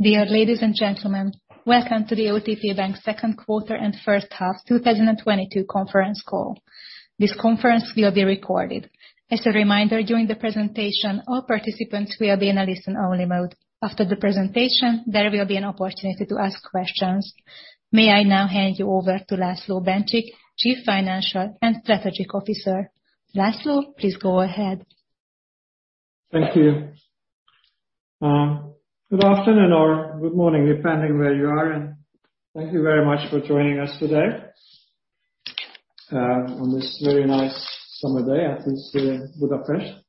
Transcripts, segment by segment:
Dear ladies and gentlemen, welcome to the OTP Bank second quarter and first half 2022 conference call. This conference will be recorded. As a reminder, during the presentation, all participants will be in a listen-only mode. After the presentation, there will be an opportunity to ask questions. May I now hand you over to László Bencsik, Chief Financial and Strategic Officer. László, please go ahead. Thank you. Good afternoon or good morning, depending where you are, and thank you very much for joining us today, on this very nice summer day at least here in Budapest.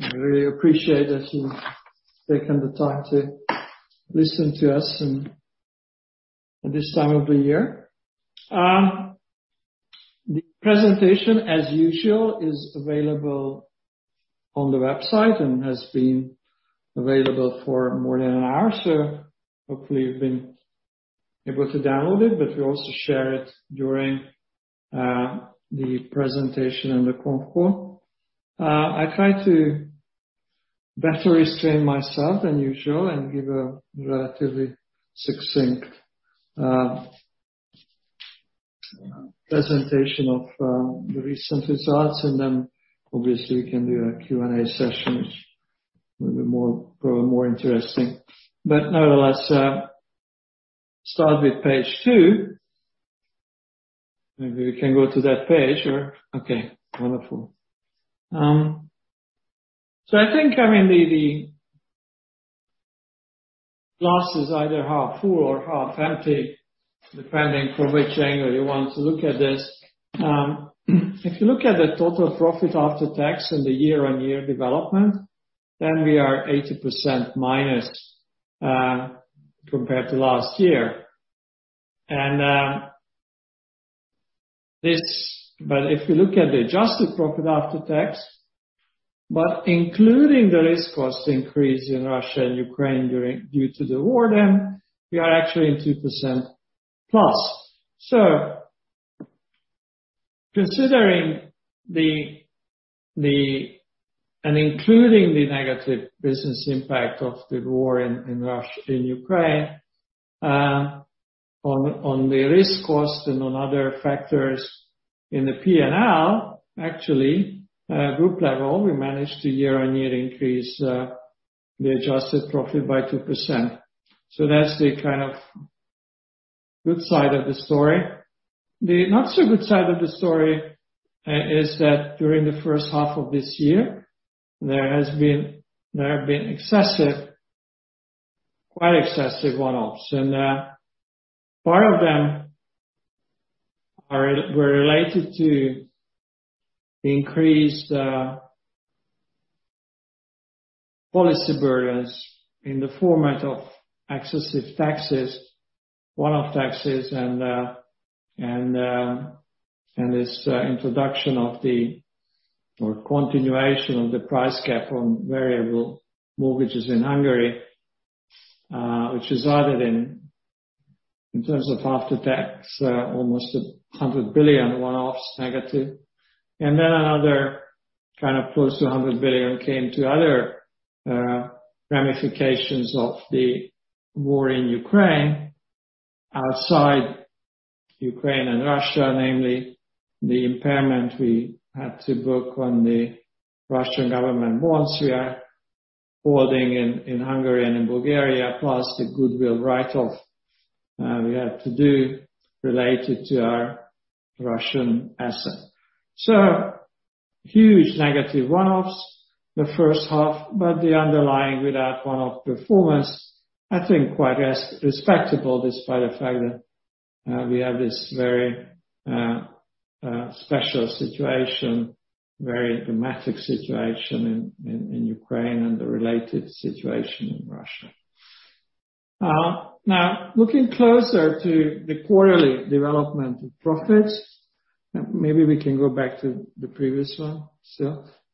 I really appreciate that you've taken the time to listen to us in this time of the year. The presentation, as usual, is available on the website and has been available for more than an hour, so hopefully you've been able to download it, but we'll also share it during the presentation and the conf call. I try to better restrain myself than usual and give a relatively succinct presentation of the recent results, and then obviously we can do a Q&A session, which will be more, probably more interesting. Nonetheless, start with page two. Maybe we can go to that page. Okay, wonderful. I think, I mean, the glass is either half full or half empty, depending on which angle you want to look at this. If you look at the total profit after tax and the year-on-year development, then we are 80% minus compared to last year. But if you look at the adjusted profit after tax, but including the risk cost increase in Russia and Ukraine due to the war then, we are actually in 2% plus. Considering the and including the negative business impact of the war in Ukraine on the risk cost and on other factors in the P&L, actually, group level, we managed to year-on-year increase the adjusted profit by 2%. That's the kind of good side of the story. The not so good side of the story is that during the first half of this year, there have been excessive, quite excessive one-offs. Part of them were related to the increased policy burdens in the format of excessive taxes, one-off taxes and this introduction or continuation of the price cap on variable mortgages in Hungary, which resulted in terms of after-tax almost 100 billion one-offs negative. Another kind of close to 100 billion came to other ramifications of the war in Ukraine outside Ukraine and Russia, namely the impairment we had to book on the Russian government bonds we are holding in Hungary and in Bulgaria, plus the goodwill write-off we had to do related to our Russian asset. Huge negative one-offs in the first half, but the underlying without one-off performance, I think quite respectable despite the fact that we have this very special situation, very dramatic situation in Ukraine and the related situation in Russia. Now looking closer to the quarterly development of profits. Maybe we can go back to the previous one.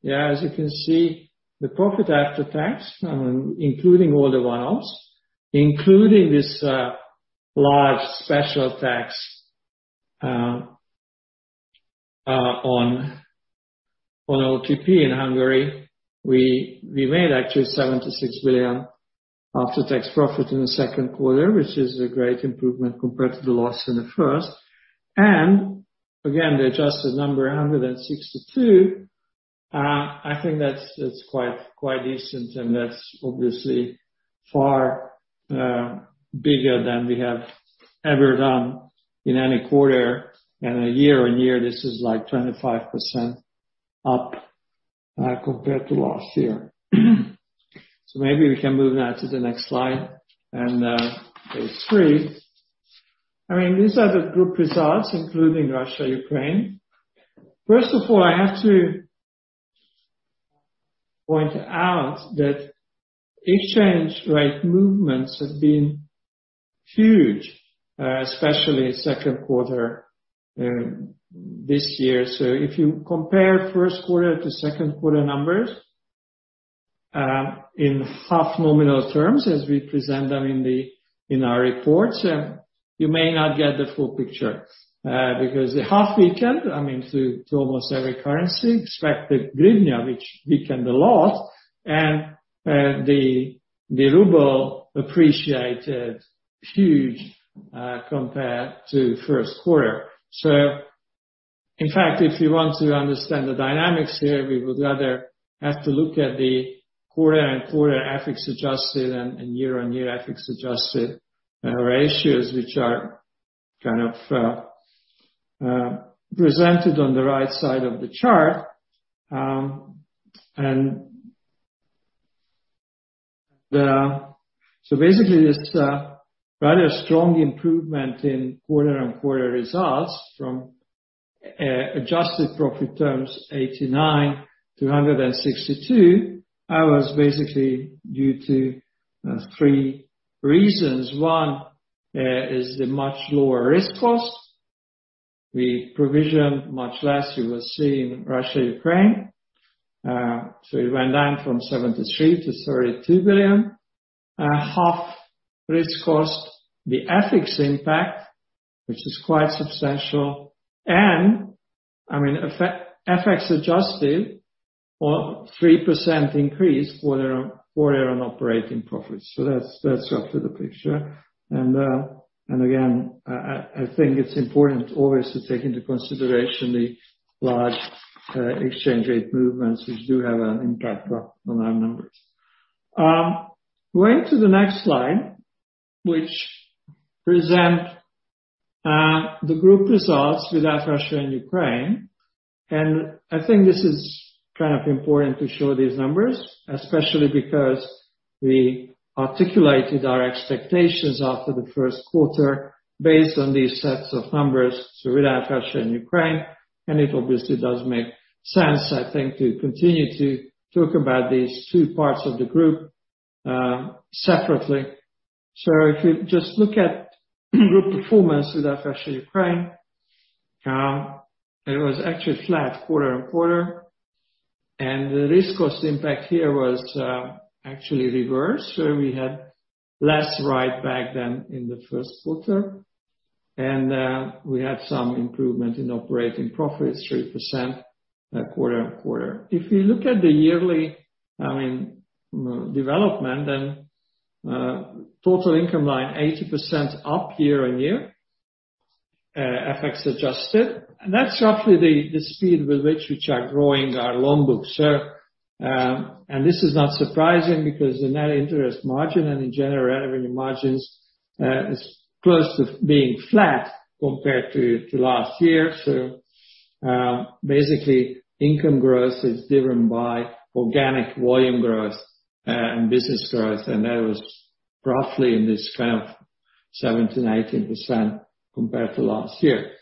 Yeah, as you can see, the profit after tax, including all the one-offs, including this large special tax on OTP in Hungary, we made actually 76 billion after-tax profit in the second quarter, which is a great improvement compared to the loss in the first. Again, the adjusted number 162 billion, I think that's quite decent, and that's obviously far bigger than we have ever done in any quarter. A year-on-year, this is like 25% up, compared to last year. Maybe we can move now to the next slide and page three. I mean, these are the group results, including Russia, Ukraine. First of all, I have to point out that exchange rate movements have been huge, especially second quarter this year. If you compare first quarter to second quarter numbers in HUF nominal terms as we present them in our reports, you may not get the full picture, because they have weakened, I mean to almost every currency, except the hryvnia, which weakened a lot, and the ruble appreciated huge, compared to first quarter. In fact, if you want to understand the dynamics here, we would rather have to look at the quarter-on-quarter FX adjusted and year-on-year FX adjusted ratios, which are presented on the right side of the chart. Basically this rather strong improvement in quarter-on-quarter results from adjusted profit terms 89-162. It was basically due to three reasons. One is the much lower risk cost. We provisioned much less, you will see in Russia, Ukraine. It went down from 73 billion to 32 billion. Half risk cost. The FX impact, which is quite substantial, and FX adjusted a 3% increase quarter-on-quarter operating profits. That's roughly the picture. I think it's important always to take into consideration the large exchange rate movements, which do have an impact on our numbers. Going to the next slide, which presents the group results without Russia and Ukraine. I think this is kind of important to show these numbers, especially because we articulated our expectations after the first quarter based on these sets of numbers, so without Russia and Ukraine, and it obviously does make sense I think to continue to talk about these two parts of the group separately. If you just look at group performance without Russia, Ukraine, it was actually flat quarter-on-quarter. The cost of risk impact here was actually reversed, so we had less write back than in the first quarter. We had some improvement in operating profits, 3%, quarter-on-quarter. If you look at the yearly, I mean, development, total income line 80% up year-on-year, FX adjusted. That's roughly the speed with which we are growing our loan book. This is not surprising because the net interest margin and in general revenue margins is close to being flat compared to last year. Basically income growth is driven by organic volume growth and business growth, and that was roughly in this kind of 7% to 19% compared to last year.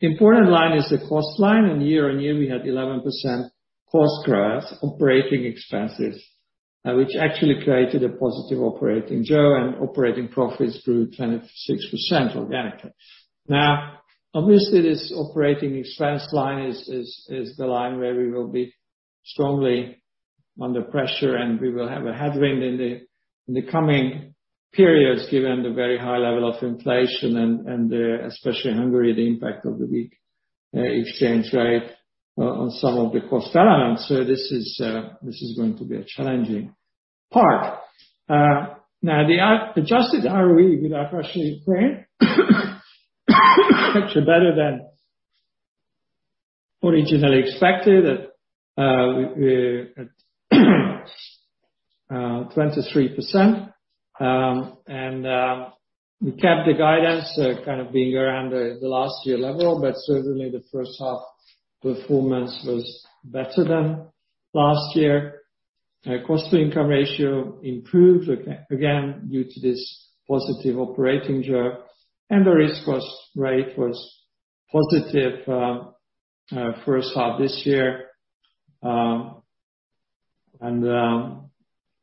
Important line is the cost line, and year-on-year we had 11% cost growth, operating expenses, which actually created a positive operating jaws and operating profits grew 26% organically. Now, obviously this operating expense line is the line where we will be strongly under pressure, and we will have a headwind in the coming periods, given the very high level of inflation and especially Hungary, the impact of the weak exchange rate on some of the cost base. This is going to be a challenging part. Now the adjusted ROE without Russia and Ukraine actually better than originally expected at 23%. We kept the guidance kind of being around the last year level, but certainly the first half performance was better than last year. Cost to income ratio improved again due to this positive operating jaws. The cost of risk was positive first half this year.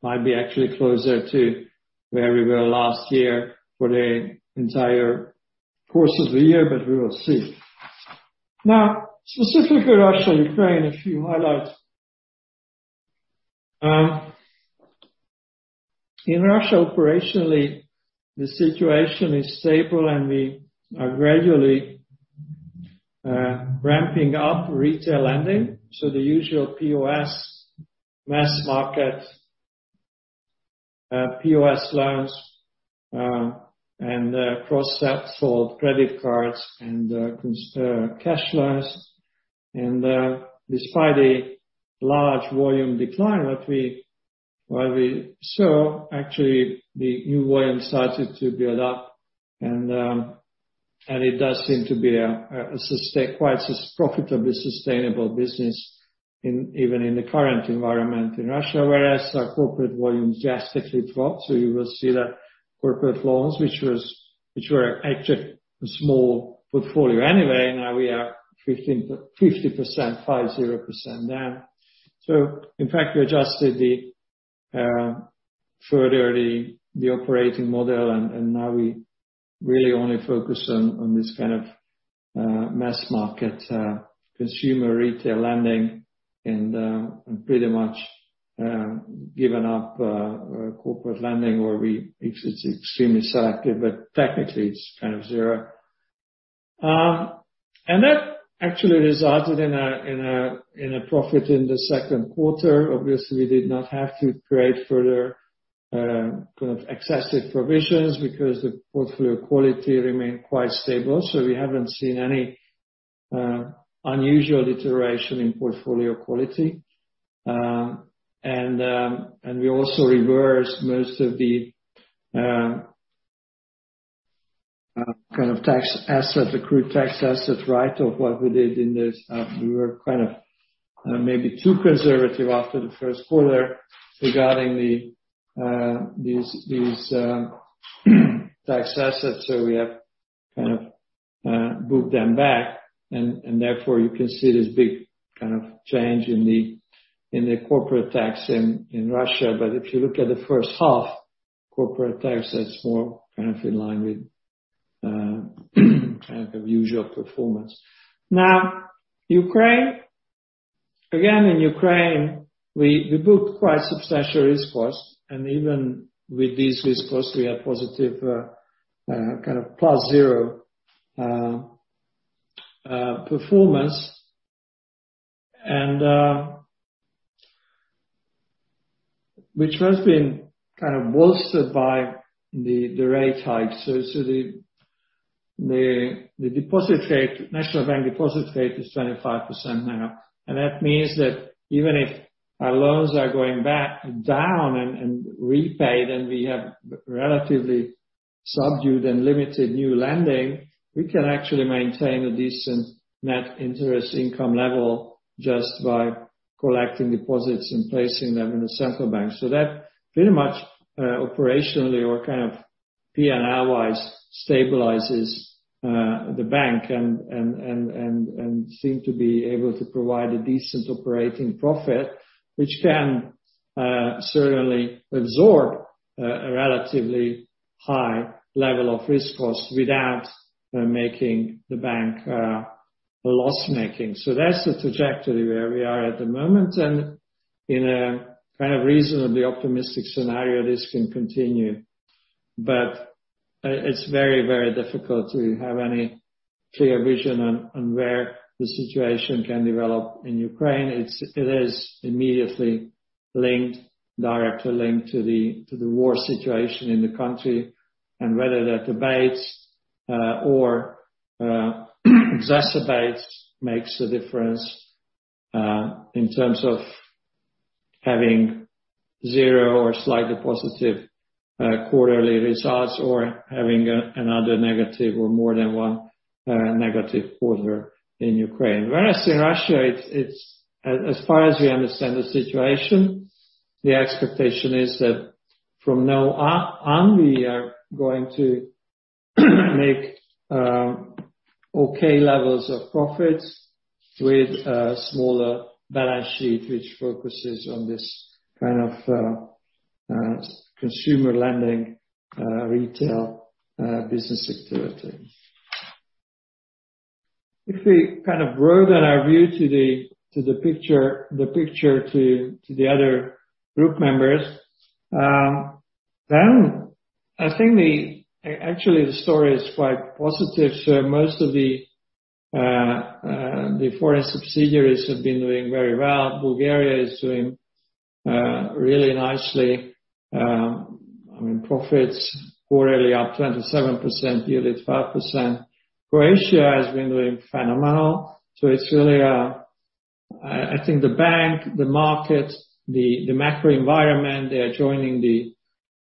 Might be actually closer to where we were last year for the entire course of the year, but we will see. Now, specifically Russia, Ukraine, a few highlights. In Russia operationally the situation is stable and we are gradually ramping up retail lending. The usual POS, mass market POS loans, and cross sell, credit cards and consumer cash loans. Despite a large volume decline that we saw, actually the new volume started to build up and it does seem to be quite profitably sustainable business even in the current environment in Russia. Whereas our corporate volumes drastically dropped. You will see that corporate loans, which were actually a small portfolio anyway. Now we are 50%, 50% down. In fact we adjusted the operating model and now we really only focus on this kind of mass market consumer retail lending and pretty much given up corporate lending where we... It's extremely selective, but technically it's kind of zero. And that actually resulted in a profit in the second quarter. Obviously, we did not have to create further kind of excessive provisions because the portfolio quality remained quite stable. We haven't seen any unusual deterioration in portfolio quality. And we also reversed most of the kind of tax asset, accrued tax asset write of what we did in this. We were kind of maybe too conservative after the first quarter regarding these tax assets. We have kind of moved them back and therefore you can see this big kind of change in the corporate tax in Russia. If you look at the first half, corporate tax is more kind of in line with kind of usual performance. Now, Ukraine. Again, in Ukraine, we book quite substantial risk cost. Even with this risk cost, we have positive kind of plus zero performance. Which has been kind of bolstered by the rate hike. The deposit rate, National Bank deposit rate is 25% now. That means that even if our loans are going back down and repaid, and we have relatively subdued and limited new lending, we can actually maintain a decent net interest income level just by collecting deposits and placing them in the central bank. That pretty much, operationally or kind of P&L wise, stabilizes the bank and seems to be able to provide a decent operating profit, which can certainly absorb a relatively high level of cost of risk without making the bank loss-making. That's the trajectory where we are at the moment. In a kind of reasonably optimistic scenario, this can continue. It's very, very difficult to have any clear vision on where the situation can develop in Ukraine. It is immediately linked, directly linked to the war situation in the country and whether that abates or exacerbates makes a difference in terms of having zero or slightly positive quarterly results or having another negative or more than one negative quarter in Ukraine. Whereas in Russia, it's as far as we understand the situation, the expectation is that from now on, we are going to make okay levels of profits with a smaller balance sheet, which focuses on this kind of consumer lending, retail business activity. If we kind of broaden our view to the picture to the other group members, then I think actually the story is quite positive. Most of the foreign subsidiaries have been doing very well. Bulgaria is doing really nicely. I mean, profits quarterly up 27%, yearly it's 5%. Croatia has been doing phenomenal. It's really I think the bank, the market, the macro environment, they are joining the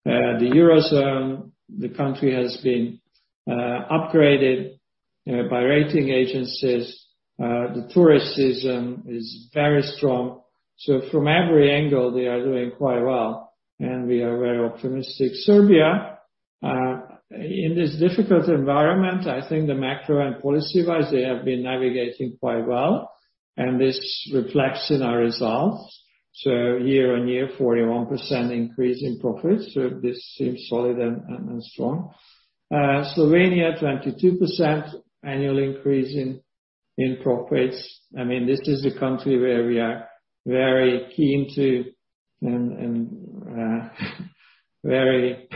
Eurozone. The country has been upgraded by rating agencies. The tourism is very strong. From every angle, they are doing quite well, and we are very optimistic. Serbia in this difficult environment, I think the macro and policy-wise, they have been navigating quite well, and this reflects in our results. Year-on-year 41% increase in profits. This seems solid and strong. Slovenia 22% annual increase in profits. I mean, this is a country where we are very keen to and very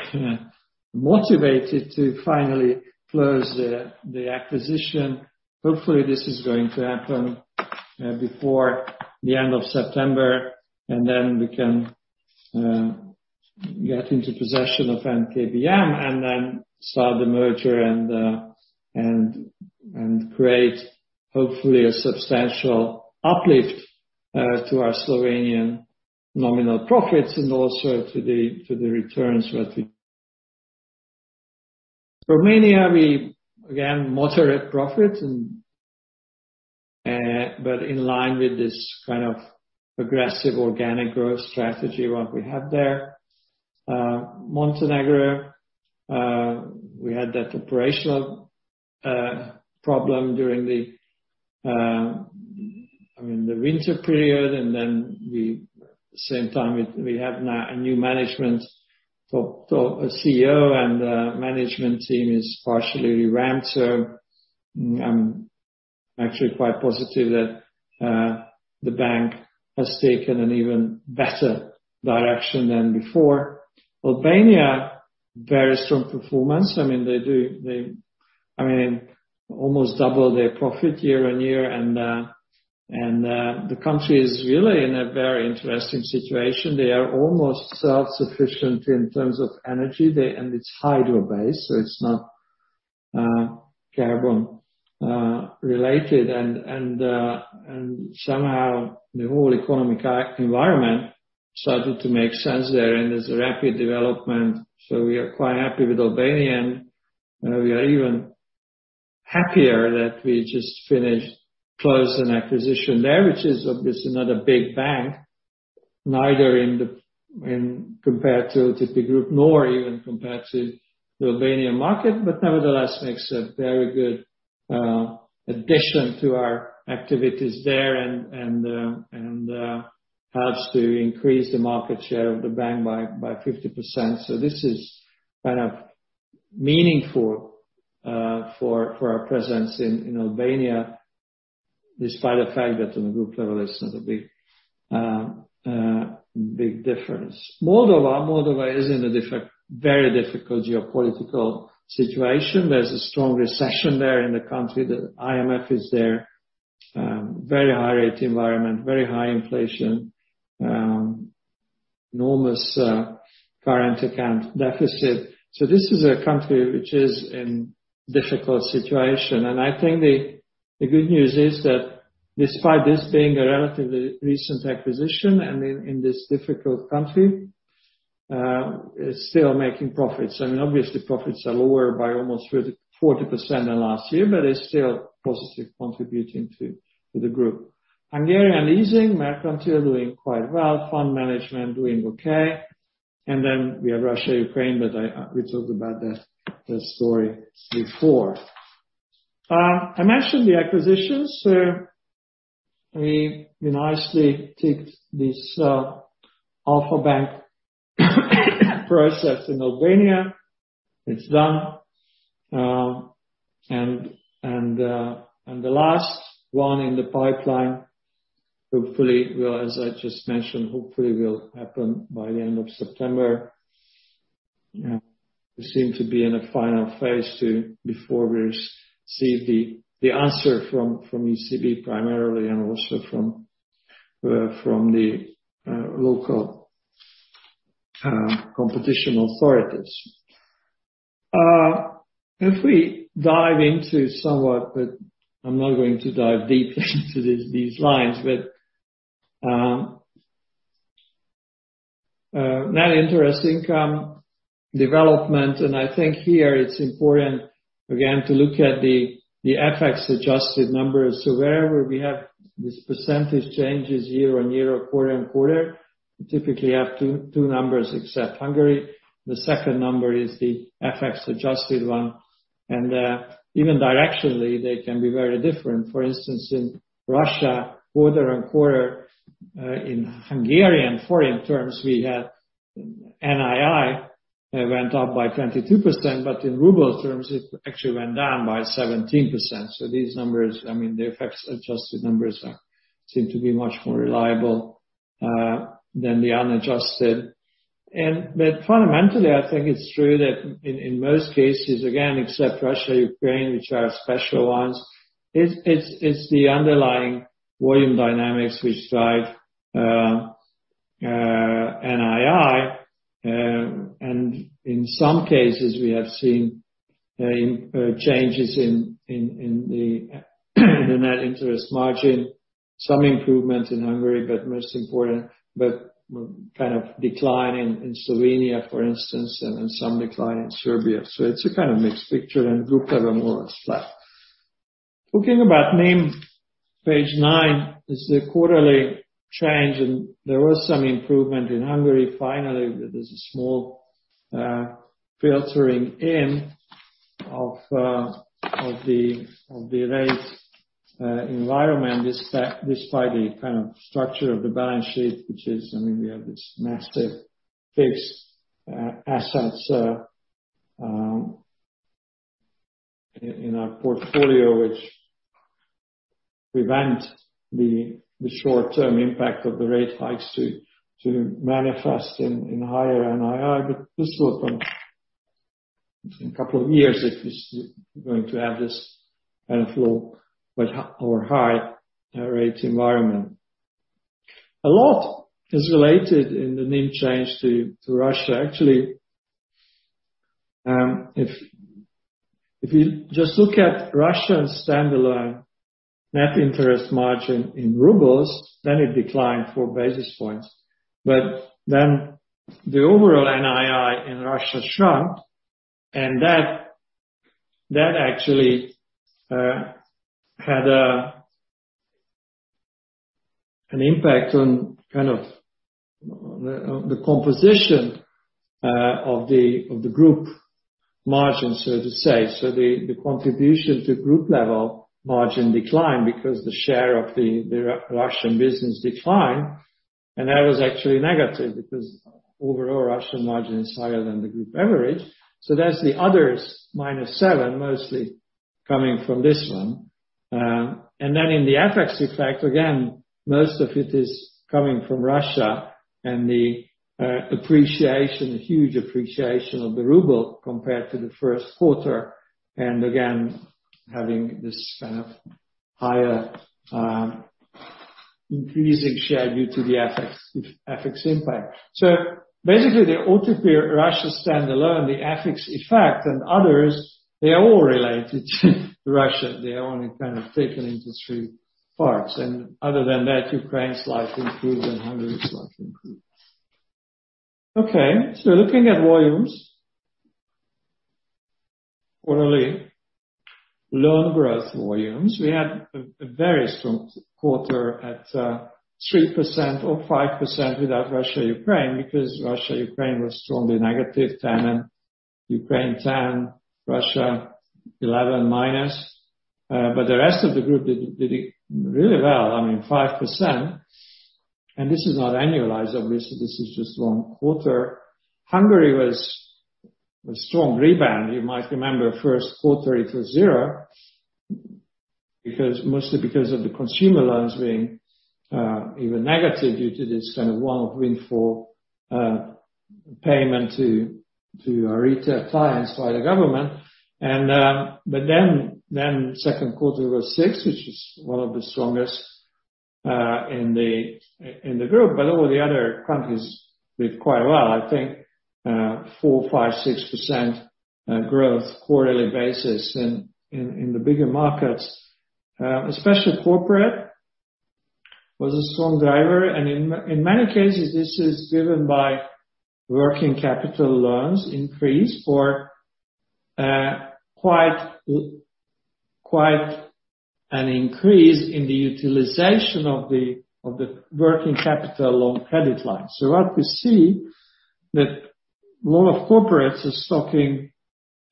motivated to finally close the acquisition. Hopefully, this is going to happen before the end of September, and then we can get into possession of Nova KBM and then start the merger and create hopefully a substantial uplift to our Slovenian nominal profits and also to the returns. Romania, we again moderate profits, but in line with this kind of aggressive organic growth strategy what we have there. Montenegro, we had that operational problem during the, I mean, the winter period, and then we. At the same time we have now a new management. So a CEO and a management team is partially ramped. So I'm actually quite positive that the bank has taken an even better direction than before. Albania, very strong performance. I mean, almost double their profit year-over-year. The country is really in a very interesting situation. They are almost self-sufficient in terms of energy. It's hydro-based, so it's not carbon related. Somehow the whole economic environment started to make sense there, and there's rapid development. We are quite happy with Albania, and we are even happier that we just finished closing an acquisition there, which is obviously not a big bank, neither in comparison to OTP Group, nor even compared to the Albanian market, but nevertheless makes a very good addition to our activities there and helps to increase the market share of the bank by 50%. This is kind of meaningful for our presence in Albania, despite the fact that on a group level it's not a big difference. Moldova is in a very difficult geopolitical situation. There's a strong recession there in the country. The IMF is there. Very high rate environment, very high inflation, enormous current account deficit. This is a country which is in difficult situation. I think the good news is that despite this being a relatively recent acquisition and in this difficult country, it's still making profits. I mean, obviously profits are lower by almost 40% than last year, but it's still positive contributing to the group. Hungarian leasing, Merkantil doing quite well, fund management doing okay. Then we have Russia, Ukraine, but we talked about that story before. I mentioned the acquisitions. We nicely ticked this Alpha Bank Albania process. It's done. The last one in the pipeline hopefully will, as I just mentioned, happen by the end of September. We seem to be in a final phase before we see the answer from ECB primarily and also from the local competition authorities. If we dive into somewhat, I'm not going to dive deeply into these lines. Net interest income development, I think here it's important again to look at the FX adjusted numbers. Wherever we have these percentage changes year-on-year or quarter-on-quarter, we typically have two numbers, except Hungary. The second number is the FX adjusted one. Even directionally, they can be very different. For instance, in Russia, quarter-on-quarter, in Hungarian Forint terms, we had NII went up by 22%, but in Ruble terms it actually went down by 17%. These numbers, I mean, the FX adjusted numbers seem to be much more reliable than the unadjusted. Fundamentally, I think it's true that in most cases, again except Russia, Ukraine, which are special ones, it's the underlying volume dynamics which drive NII. And in some cases we have seen changes in the net interest margin. Some improvement in Hungary, but kind of decline in Slovenia, for instance, and some decline in Serbia. It's a kind of mixed picture and group level more or less flat. Talking about NIM, page nine is the quarterly change, and there was some improvement in Hungary finally. There's a small filtering in of the rate environment despite the kind of structure of the balance sheet, which is, I mean, we have this massive fixed assets in our portfolio which prevent the short-term impact of the rate hikes to manifest in higher NII. This will in a couple of years, if it's going to have this kind of low but high or high rate environment. A lot is related in the NIM change to Russia. Actually, if you just look at Russia standalone net interest margin in rubles, then it declined four basis points. The overall NII in Russia shrunk, and that actually had an impact on kind of the composition of the group margin, so to say. The contribution to group level margin declined because the share of the Russian business declined, and that was actually negative because overall Russian margin is higher than the group average. That's the others -7%, mostly coming from this one. In the FX effect, again, most of it is coming from Russia and the appreciation, huge appreciation of the ruble compared to the first quarter, and again, having this kind of higher increasing share due to the FX impact. Basically, there ought to be Russia standalone, the FX effect and others, they are all related to Russia. They only kind of taken into three parts. Other than that, Ukraine's slightly improved and Hungary's slightly improved. Okay. Looking at volumes. Quarterly loan growth volumes. We had a very strong quarter at 3% or 5% without Russia, Ukraine, because Russia, Ukraine was strongly negative. 10% in Ukraine, 10% Russia, -11%. But the rest of the group did really well. I mean, 5%. This is not annualized, obviously, this is just one quarter. Hungary was a strong rebound. You might remember first quarter, it was 0%, because mostly because of the consumer loans being even negative due to this kind of one-off windfall payment to our retail clients by the government. But then second quarter was 6%, which is one of the strongest in the group. But all the other countries did quite well. I think four, five six percent growth quarterly basis in the bigger markets. Especially corporate was a strong driver. In many cases, this is driven by working capital loans increase or quite an increase in the utilization of the working capital loan credit line. What we see that lot of corporates are stocking,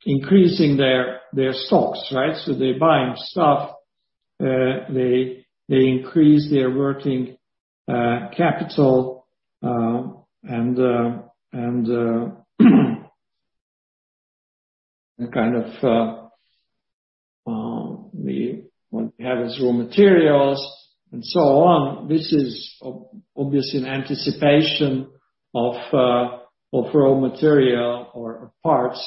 increasing their stocks, right? They're buying stuff, they increase their working capital and a kind of what we have is raw materials and so on. This is obviously in anticipation of raw material or parts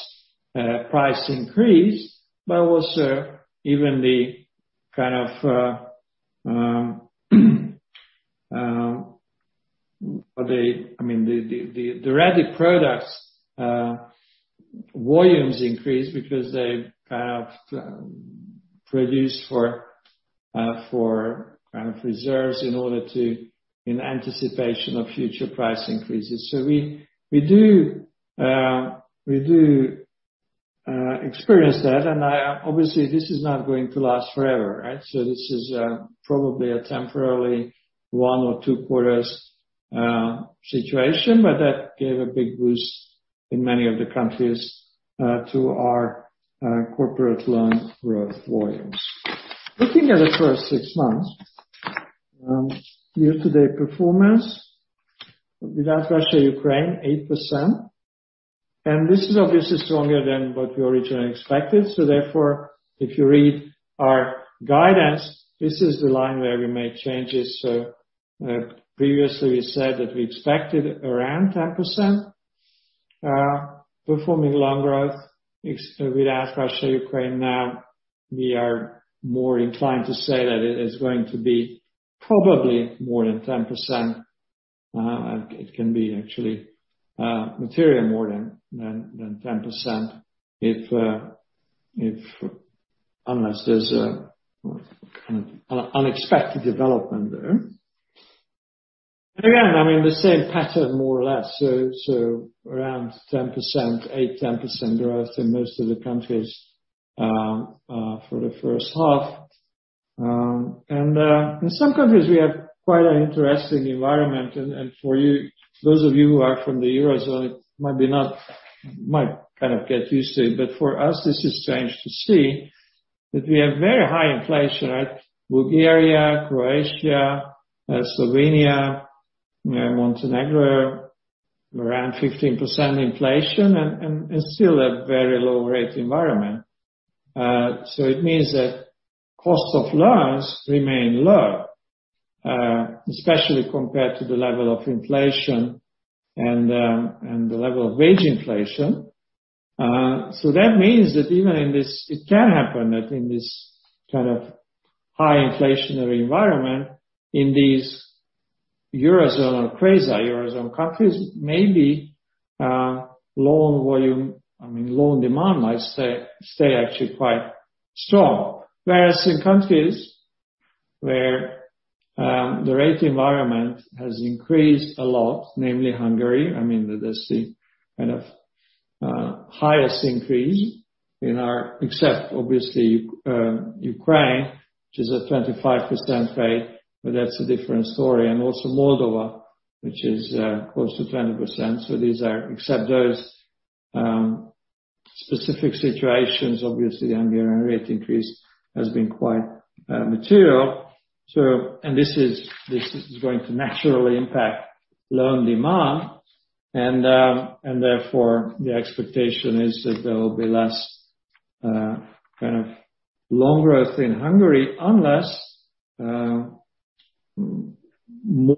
price increase, but also even the kind of the. I mean, the ready products volumes increase because they've kind of produced for kind of reserves in anticipation of future price increases. We do experience that, and obviously this is not going to last forever, right? This is probably a temporary one or two quarters situation, but that gave a big boost in many of the countries to our corporate loan growth volumes. Looking at the first six months, year-to-date performance without Russia, Ukraine, 8%, and this is obviously stronger than what we originally expected. Therefore, if you read our guidance, this is the line where we made changes. Previously we said that we expected around 10% performing loan growth without Russia, Ukraine. Now we are more inclined to say that it is going to be probably more than 10%. It can be actually material more than 10% if unless there's a kind of unexpected development there. Again, I mean, the same pattern more or less. Around 10%, 8%-10% growth in most of the countries for the first half. In some countries, we have quite an interesting environment. For you, those of you who are from the Eurozone, it might be not, might kind of get used to it, but for us this is strange to see that we have very high inflation, right? Bulgaria, Croatia, Slovenia, Montenegro, around 15% inflation and it's still a very low rate environment. It means that costs of loans remain low, especially compared to the level of inflation and the level of wage inflation. That means that even in this kind of high inflationary environment, in these eurozone or quasi eurozone countries, maybe loan volume, I mean, loan demand might stay actually quite strong. Whereas in countries where the rate environment has increased a lot, namely Hungary, I mean, that is the kind of highest increase in our, except obviously Ukraine, which is a 25% rate, but that's a different story. Also Moldova, which is close to 20%. These are, except those specific situations, obviously Hungarian rate increase has been quite material. This is going to naturally impact loan demand, and therefore the expectation is that there will be less kind of loan growth in Hungary unless more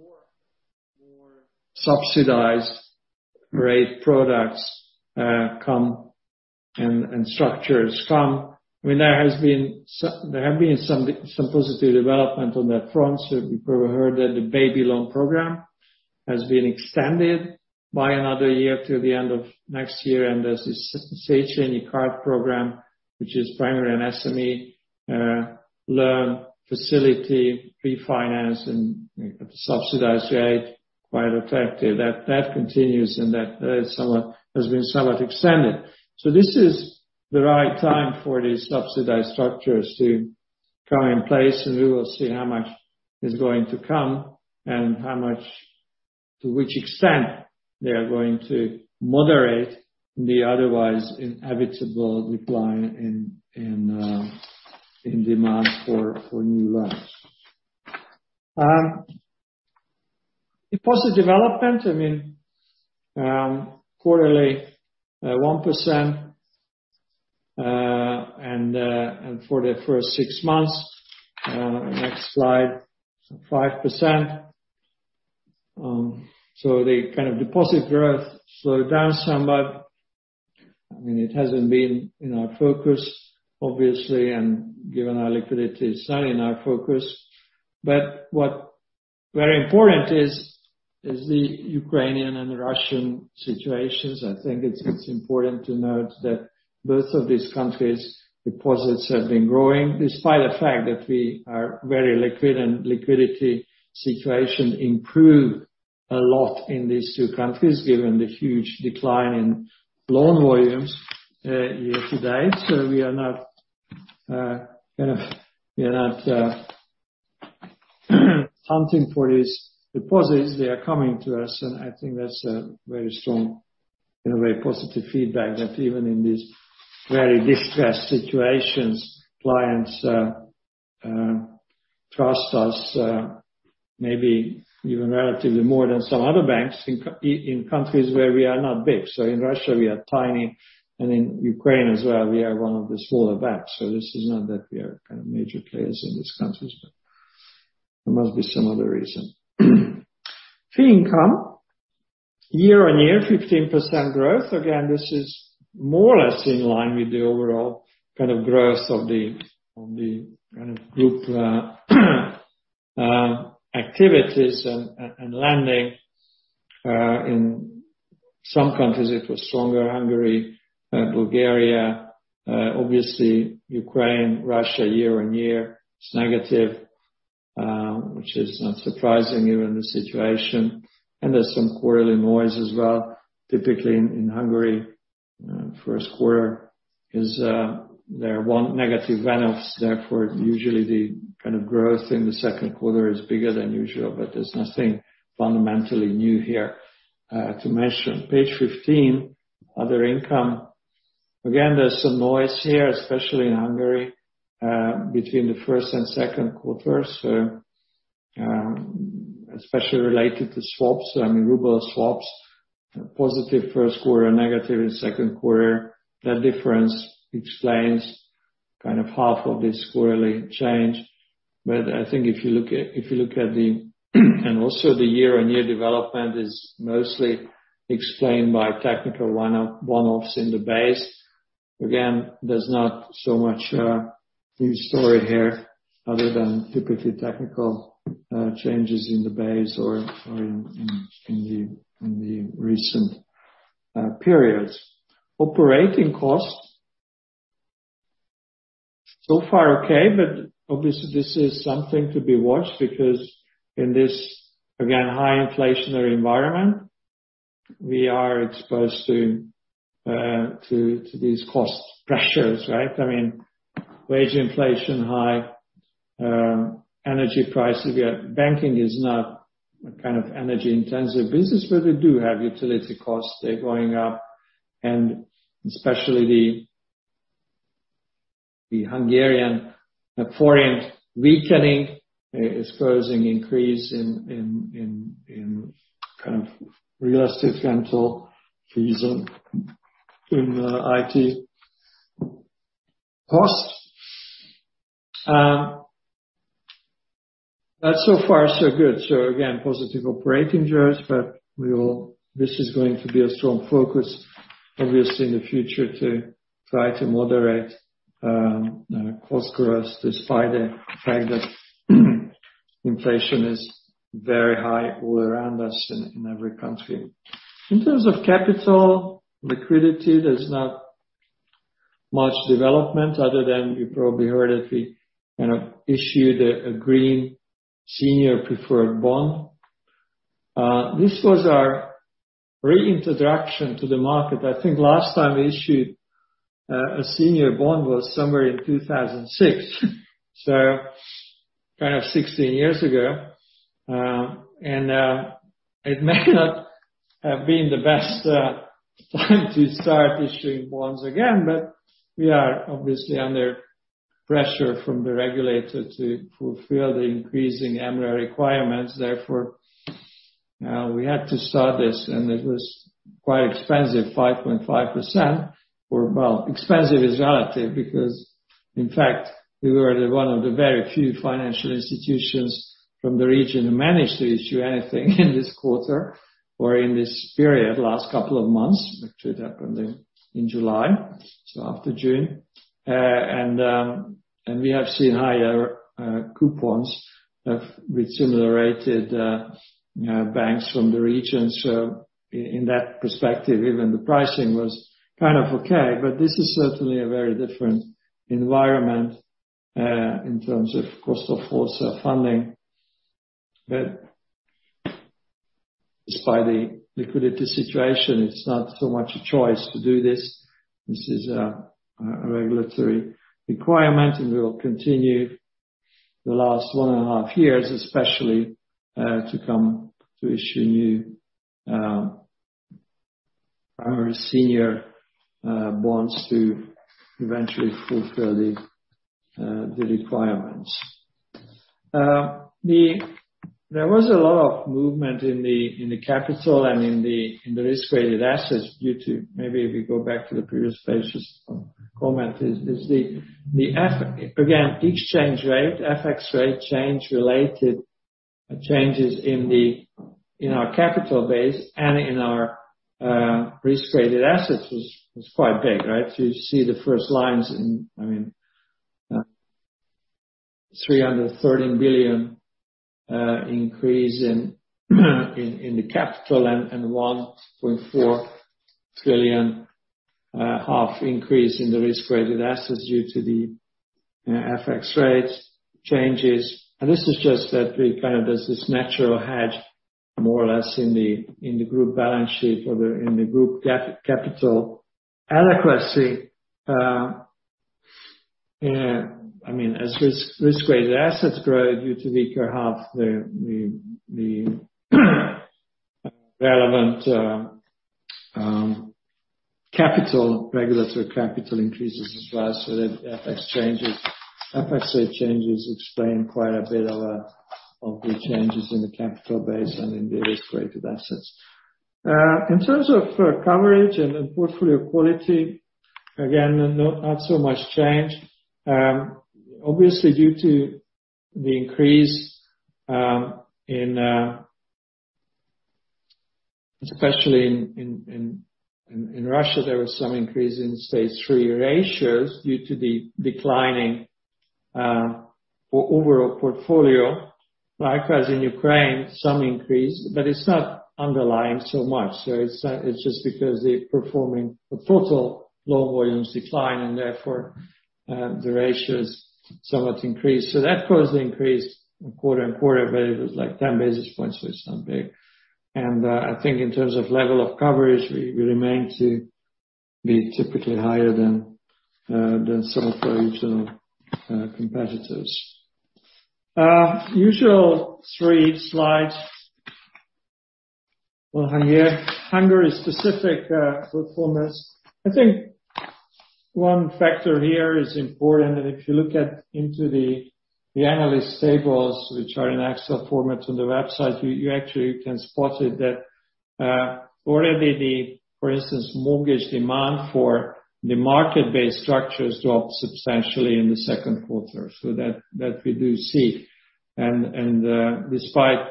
subsidized rate products come and structures come. I mean, there have been some positive development on that front. You probably heard that the baby loan program has been extended by another year to the end of next year, and there's this Széchenyi Card Programme, which is primarily an SME loan facility, refinance and subsidized rate, quite attractive. That continues and that has been somewhat extended. This is the right time for these subsidized structures to come in place and we will see how much is going to come and to which extent they are going to moderate the otherwise inevitable decline in demand for new loans. Deposit development, I mean, quarterly, 1%, and for the first six months, next slide, so 5%. The kind of deposit growth slowed down somewhat. I mean, it hasn't been in our focus, obviously, and given our liquidity, it's not in our focus. What very important is the Ukrainian and Russian situations. I think it's important to note that both of these countries deposits have been growing despite the fact that we are very liquid and liquidity situation improved a lot in these two countries given the huge decline in loan volumes year to date. We are not kind of hunting for these deposits. They are coming to us, and I think that's a very strong and a very positive feedback that even in these very distressed situations, clients trust us maybe even relatively more than some other banks in countries where we are not big. In Russia, we are tiny, and in Ukraine as well, we are one of the smaller banks. This is not that we are kind of major players in these countries, but there must be some other reason. Fee income year-on-year, 15% growth. Again, this is more or less in line with the overall kind of growth of the kind of group activities and lending. In some countries it was stronger, Hungary, Bulgaria, obviously Ukraine, Russia, year-on-year it's negative, which is not surprising given the situation. There's some quarterly noise as well. Typically in Hungary, first quarter is their own negative one-offs, therefore, usually the kind of growth in the second quarter is bigger than usual, but there's nothing fundamentally new here to mention. Page 15, other income. Again, there's some noise here, especially in Hungary, between the first and second quarters, so especially related to swaps, I mean ruble swaps. Positive first quarter, negative in second quarter. That difference explains kind of half of this quarterly change. I think if you look at the year-on-year development is mostly explained by technical one-offs in the base. Again, there's not so much new story here other than typically technical changes in the base or in the recent periods. Operating costs. So far okay, but obviously this is something to be watched because in this high inflationary environment, we are exposed to these cost pressures, right? I mean, wage inflation high, energy price. Again, banking is not a kind of energy-intensive business, but we do have utility costs. They're going up and especially the Hungarian forint weakening is causing increase in kind of real estate rental fees and in IT costs. So far so good. Again, positive operating growth, this is going to be a strong focus obviously in the future to try to moderate cost growth despite the fact that inflation is very high all around us in every country. In terms of capital and liquidity, there's not much development other than you probably heard that we kind of issued a Green Senior Preferred bond. This was our reintroduction to the market. I think last time we issued a senior bond was somewhere in 2006. Kind of 16 years ago. It may not have been the best time to start issuing bonds again, but we are obviously under pressure from the regulator to fulfill the increasing MREL requirements. Therefore, we had to start this, and it was quite expensive, 5.5%. Well, expensive is relative because in fact, we were one of the very few financial institutions from the region who managed to issue anything in this quarter or in this period last couple of months, which would happen in July, so after June. We have seen higher coupons with similar rated banks from the region. In that perspective, even the pricing was kind of okay. This is certainly a very different environment in terms of cost of also funding. Despite the liquidity situation, it's not so much a choice to do this. This is a regulatory requirement, and we will continue the last one and a half years especially to come to issue new primary senior bonds to eventually fulfill the requirements. There was a lot of movement in the capital and in the risk-weighted assets due to maybe if we go back to the previous pages. Comment is the effect again exchange rate FX rate change related changes in our capital base and in our risk-weighted assets was quite big, right? You see the first lines, I mean, 313 billion increase in the capital and 1.4 trillion half increase in the risk-weighted assets due to the FX rate changes. This is just that we kind of as this natural hedge more or less in the group balance sheet or the in the group capital adequacy. I mean, as risk-weighted assets grow due to weaker HUF, the relevant regulatory capital increases as well. So the FX changes, FX rate changes explain quite a bit of the changes in the capital base and in the risk-weighted assets. In terms of coverage and portfolio quality, again, not so much change. Obviously due to the increase in especially in Russia, there was some increase in Stage 3 ratios due to the declining overall portfolio. Likewise in Ukraine, some increase, but it's not underlying so much. It's just because the performing total loan volumes decline and therefore the ratios somewhat increase. That caused the increase quarter on quarter, but it was like 10 basis points, which is not big. I think in terms of level of coverage, we remain to be typically higher than some of our regional competitors. Usual three slides on Hungary. Hungary specific performance. I think one factor here is important, and if you look into the analyst tables, which are in Excel format on the website, you actually can spot it that already, for instance, mortgage demand for the market-based structures dropped substantially in the second quarter. That we do see. Despite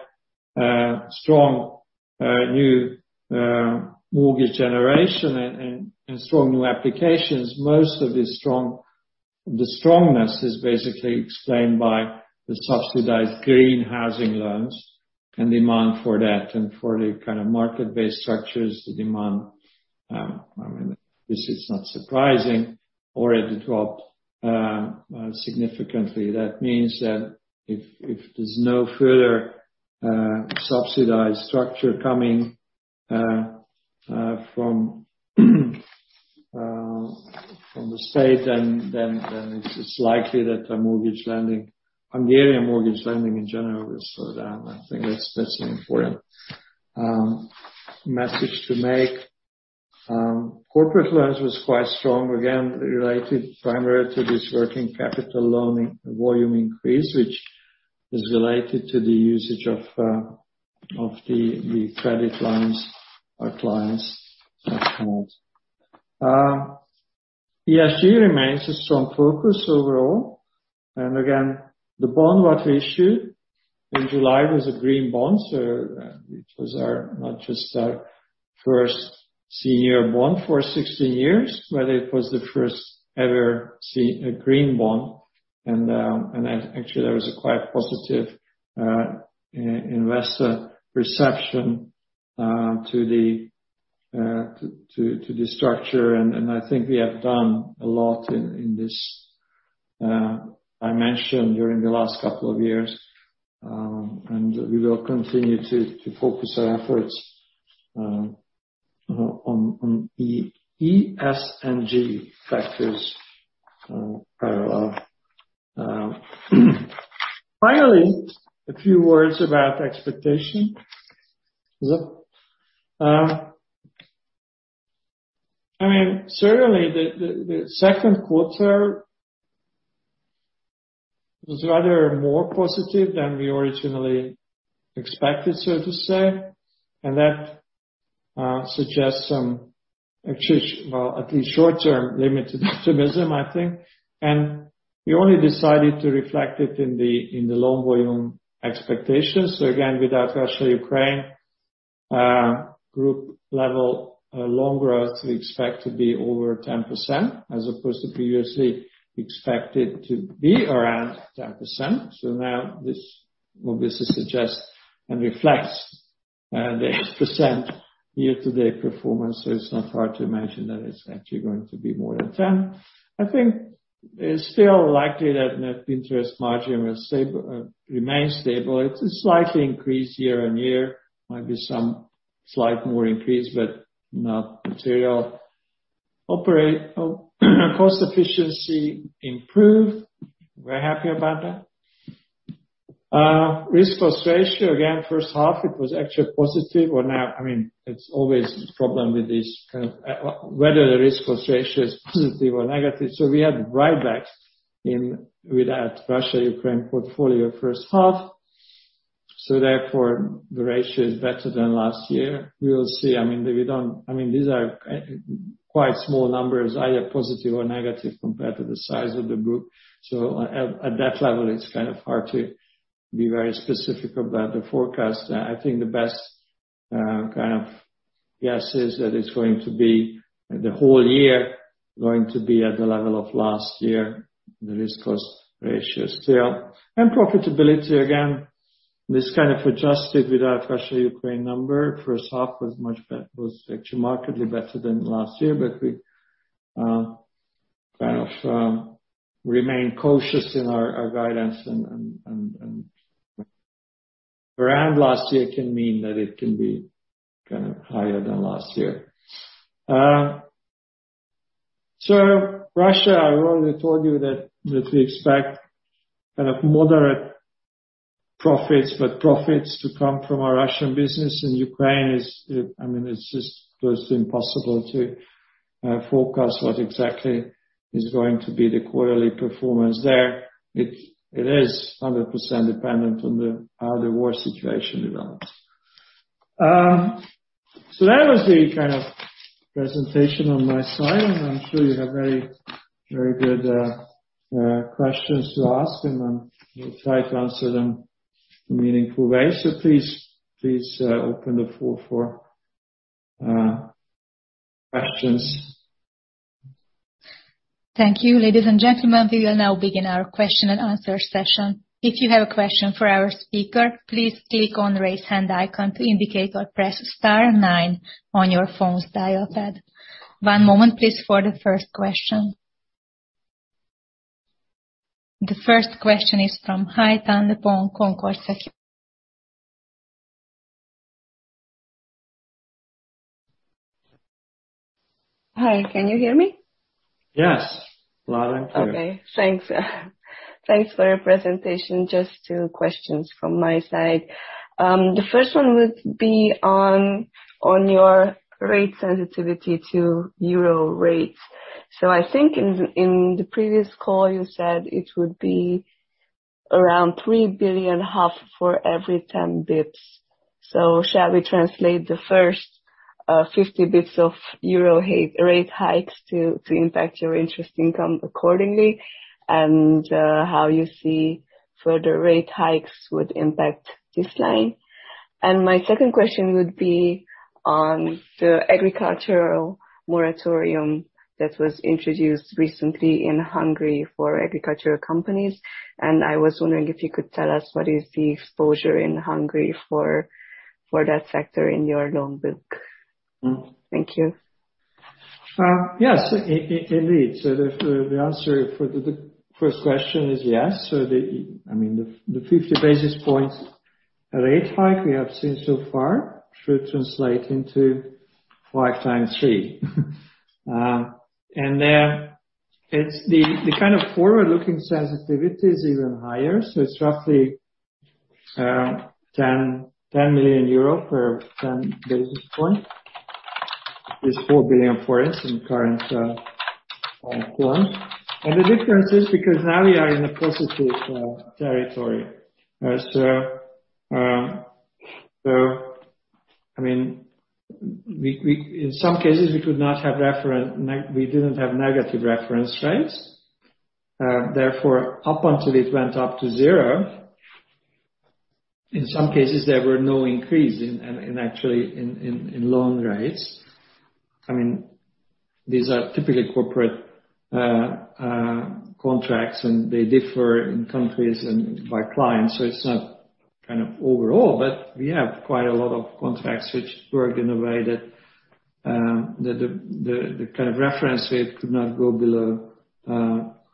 strong new mortgage generation and strong new applications, most of the strength is basically explained by the subsidized Green Housing Loans and demand for that and for the kind of market-based structures, the demand, I mean, this is not surprising, already dropped significantly. That means that if there's no further subsidized structure coming from the state, then it's likely that the mortgage lending, Hungarian mortgage lending in general, will slow down. I think that's an important message to make. Corporate loans was quite strong. Again, related primarily to this working capital loan volume increase, which is related to the usage of the credit lines our clients have had. ESG remains a strong focus overall. Again, the bond what we issued in July was a green bond. It was our, not just our first senior bond for 16 years, but it was the first ever green bond. Actually there was a quite positive investor perception to the structure. I think we have done a lot in this. I mentioned during the last couple of years, and we will continue to focus our efforts on ESG factors, parallel. Finally, a few words about expectations. I mean, certainly the second quarter was rather more positive than we originally expected, so to say. That suggests some, well, at least short-term limited optimism, I think. We only decided to reflect it in the loan volume expectations. Again, without Russia-Ukraine, group level loan growth, we expect to be over 10% as opposed to previously expected to be around 10%. Now this will basically suggest and reflects the 8% year-to-date performance. It's not hard to imagine that it's actually going to be more than 10. I think it's still likely that net interest margin will stay remain stable. It's a slightly increase year-on-year. Might be some slight more increase, but not material. Cost efficiency improved. We're happy about that. Risk cost ratio, again, first half it was actually positive. I mean, it's always a problem with this kind of whether the cost of risk is positive or negative. We had write backs with that Russia-Ukraine portfolio first half, therefore the ratio is better than last year. We will see. I mean, we don't I mean, these are quite small numbers, either positive or negative, compared to the size of the group. At that level, it's kind of hard to be very specific about the forecast. I think the best kind of guess is that it's going to be the whole year going to be at the level of last year. The cost of risk ratio is clear. Profitability, again, this kind of adjusted without Russia-Ukraine number. First half was actually markedly better than last year. We kind of remain cautious in our guidance and around last year can mean that it can be kind of higher than last year. Russia, I already told you that we expect kind of moderate profits, but profits to come from our Russian business. Ukraine is, I mean, it's just virtually impossible to forecast what exactly is going to be the quarterly performance there. It is 100% dependent on how the war situation develops. That was the kind of presentation on my side. I'm sure you have very, very good questions to ask, and we'll try to answer them in a meaningful way. Please open the floor for questions. Thank you. Ladies and gentlemen, we will now begin our question and answer session. If you have a question for our speaker, please click on the Raise Hand icon to indicate or press star nine on your phone's dial pad. One moment please for the first question. The first question is from Gábor Bukta, Concorde Securities. Hi, can you hear me? Yes. Loud and clear. Okay. Thanks. Thanks for your presentation. Just two questions from my side. The first one would be on your rate sensitivity to euro rates. I think in the previous call you said it would be around 3 billion for every 10 basis points. Shall we translate the first 50 basis points of euro rate hikes to impact your interest income accordingly? How you see further rate hikes would impact this line. My second question would be on the agricultural moratorium that was introduced recently in Hungary for agricultural companies. I was wondering if you could tell us what is the exposure in Hungary for that sector in your loan book. Mm-hmm. Thank you. Yes, indeed. The answer for the first question is yes. The 50 basis points rate hike we have seen so far should translate into five x three. It's the kind of forward-looking sensitivity is even higher. It's roughly 10 million euro per 10 basis points. It's 4 billion for us in current form. The difference is because now we are in a positive territory. In some cases, we didn't have negative reference rates. Therefore, up until it went up to zero, in some cases, there were no increase in loan rates. I mean, these are typically corporate contracts, and they differ in countries and by clients, so it's not kind of overall, but we have quite a lot of contracts which worked in a way that the kind of reference rate could not go below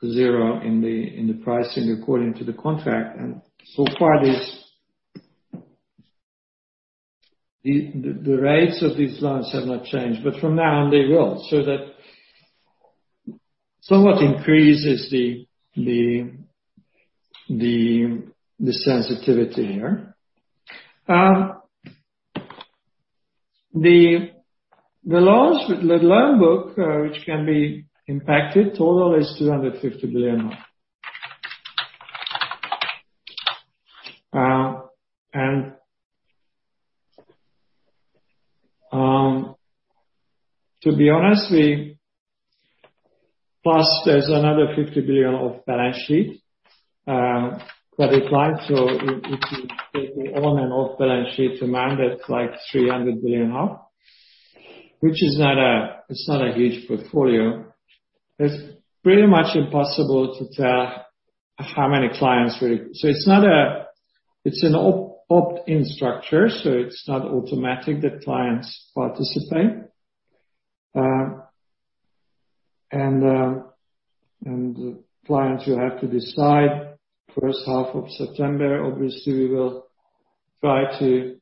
zero in the pricing according to the contract. So far, the rates of these loans have not changed, but from now on, they will. That somewhat increases the sensitivity here. The loans with the loan book which can be impacted total is 250 billion. To be honest, plus there's another HUF 50 billion off-balance sheet that applied. If you take it on and off balance sheet amount, that's like 300 billion, which is not a huge portfolio. It's pretty much impossible to tell how many clients really. It's an opt-in structure, so it's not automatic that clients participate. Clients will have to decide first half of September. Obviously, we will try to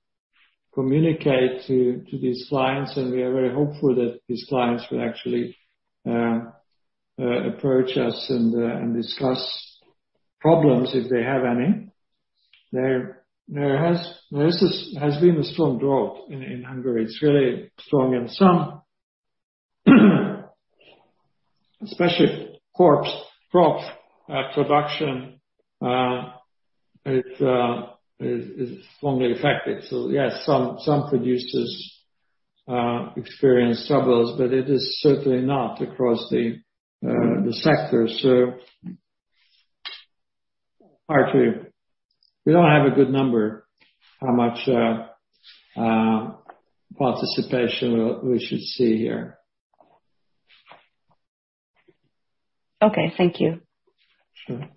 communicate to these clients, and we are very hopeful that these clients will actually approach us and discuss problems if they have any. There has been a strong drought in Hungary. It's really strong. Some especially crops production, it is strongly affected. Yes, some producers experience troubles, but it is certainly not across the sector. Hard to. We don't have a good number how much participation we should see here. Okay. Thank you. Sure.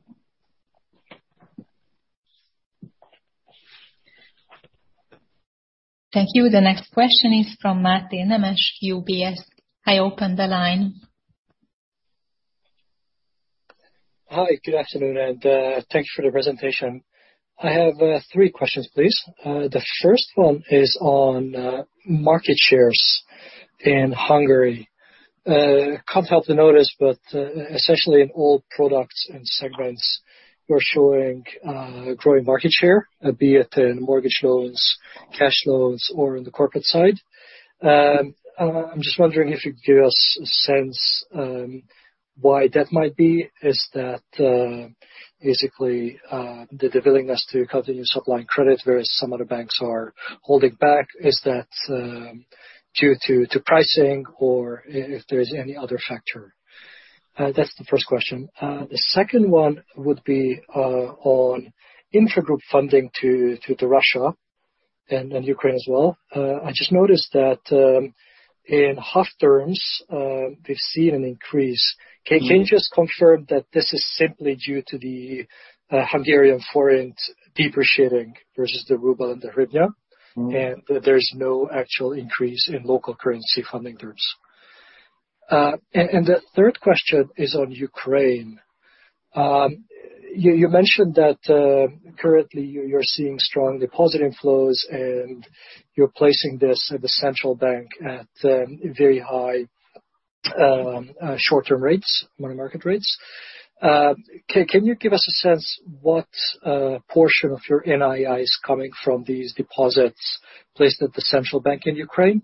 Thank you. The next question is from Máté Nemes, UBS. I open the line. Hi. Good afternoon, and, thank you for the presentation. I have, three questions, please. The first one is on, market shares in Hungary. Can't help to notice, but essentially in all products and segments, you're showing, growing market share, be it in mortgage loans, cash loans or in the corporate side. I'm just wondering if you could give us a sense, why that might be. Is that, basically, the willingness to continue supplying credit whereas some other banks are holding back? Is that, due to, pricing or if there's any other factor? That's the first question. The second one would be, on intragroup funding to, the Russia and Ukraine as well. I just noticed that, in HUF terms, we've seen an increase. Mm-hmm. Can you just confirm that this is simply due to the Hungarian forint depreciating versus the ruble and the hryvnia? Mm-hmm that there's no actual increase in local currency funding terms? The third question is on Ukraine. You mentioned that currently you're seeing strong deposit inflows and you're placing this at the central bank at very high short-term rates, money market rates. Can you give us a sense what portion of your NII is coming from these deposits placed at the Central Bank in Ukraine?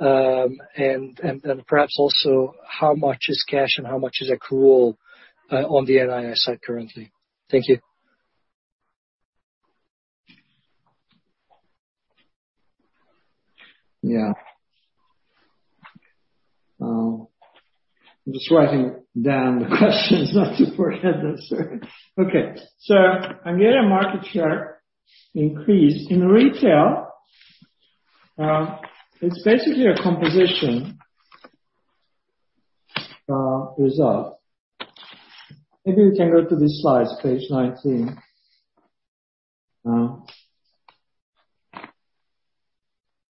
And perhaps also how much is cash and how much is accrual on the NII side currently? Thank you. Yeah. I'm just writing down the questions not to forget them, sorry. Okay. I'm getting market share increase. In retail, it's basically a composition result. Maybe we can go to the slides, page 19.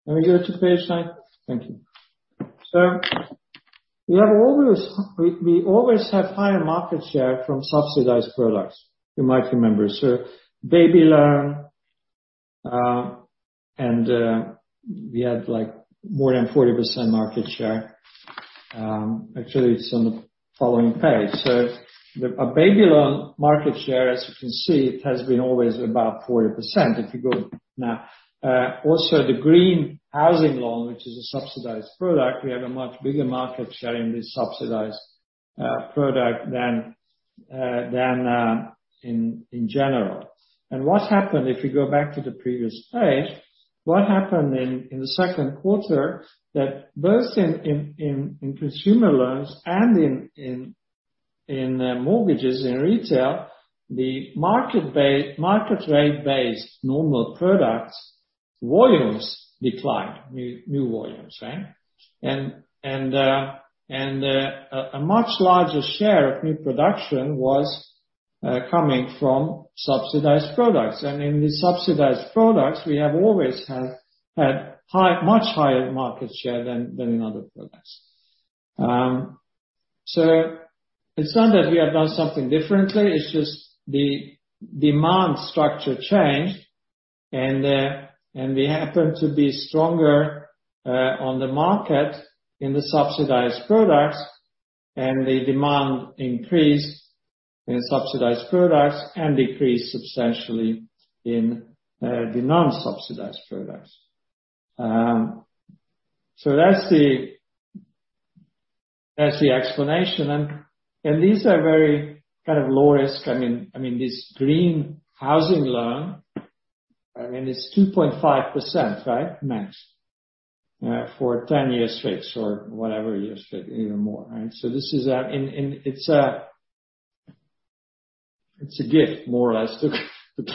Can we go to page nine? Thank you. We always have higher market share from subsidized products, you might remember. Babaváró kölcsön, and we had, like, more than 40% market share. Actually it's on the following page. The Babaváró kölcsön market share, as you can see, it has been always about 40%. If you go now, also the Green Housing Loan, which is a subsidized product. We have a much bigger market share in this subsidized product than in general. What happened if you go back to the previous page, what happened in the second quarter that both in consumer loans and in mortgages in retail, the market rate-based normal products volumes declined, new volumes, right? A much larger share of new production was coming from subsidized products. In the subsidized products, we have always had high, much higher market share than in other products. So it's not that we have done something differently, it's just the demand structure changed and we happen to be stronger on the market in the subsidized products and the demand increased in subsidized products and decreased substantially in the non-subsidized products. So that's the explanation. These are very kind of low risk. I mean, this Green Housing Loan, I mean, it's 2.5%, right, max? For 10 years fixed or whatever years fixed, even more. Right? This is, and it's a gift more or less to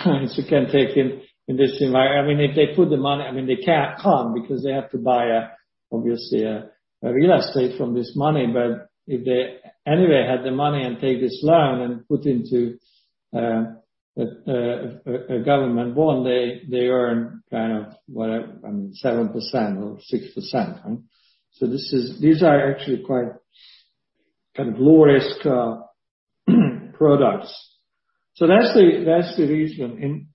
clients who can take in this environment. I mean, if they put the money, I mean, they can't come because they have to buy, obviously, a real estate from this money. But if they anyway had the money and take this loan and put into a government bond, they earn kind of whatever, 7% or 6%, right? These are actually quite kind of low risk products. That's the reason.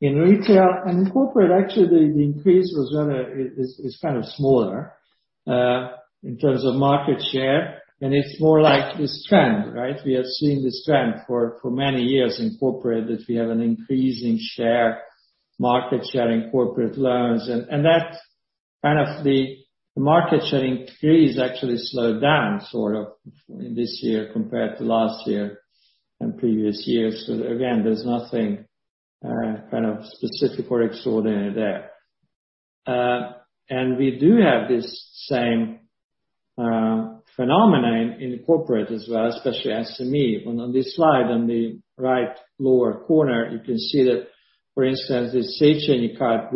In retail and corporate, actually the increase was gonna. It is kind of smaller in terms of market share, and it is more like this trend, right? We are seeing this trend for many years in corporate, that we have an increasing share, market share in corporate loans. That is kind of the market share increase actually slowed down sort of in this year compared to last year and previous years. Again, there is nothing kind of specific or extraordinary there. We do have this same phenomenon in corporate as well, especially SME. On this slide, on the right lower corner, you can see that for instance, the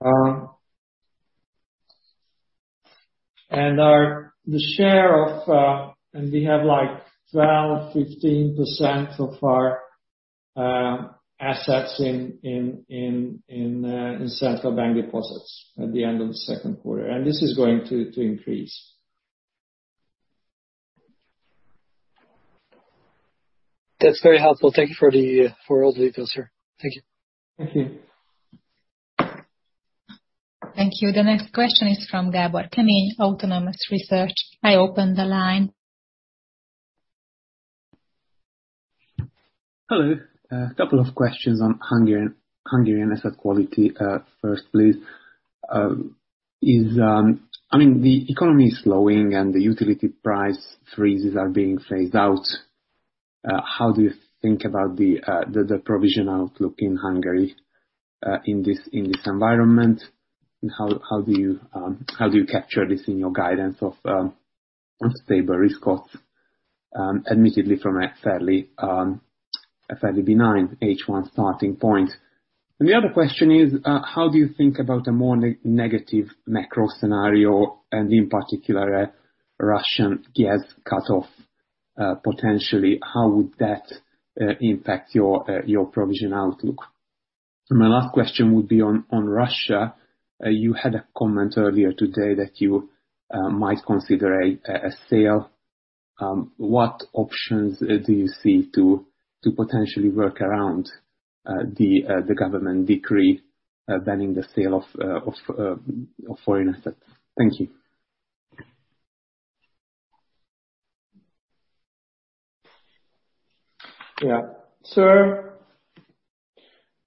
That's very helpful. Thank you for all the details, sir. Thank you. Thank you. Thank you. The next question is from Gábor Kemény, Autonomous Research. I open the line. Hello. A couple of questions on Hungarian asset quality, first please. I mean, the economy is slowing and the utility price freezes are being phased out. How do you think about the provision outlook in Hungary in this environment? How do you capture this in your guidance of stable risk costs, admittedly from a fairly benign H1 starting point. The other question is, how do you think about a more negative macro scenario and in particular a Russian gas cutoff, potentially how would that impact your provision outlook? My last question would be on Russia. You had a comment earlier today that you might consider a sale. What options do you see to potentially work around the presidential decree banning the sale of foreign assets? Thank you. Yeah.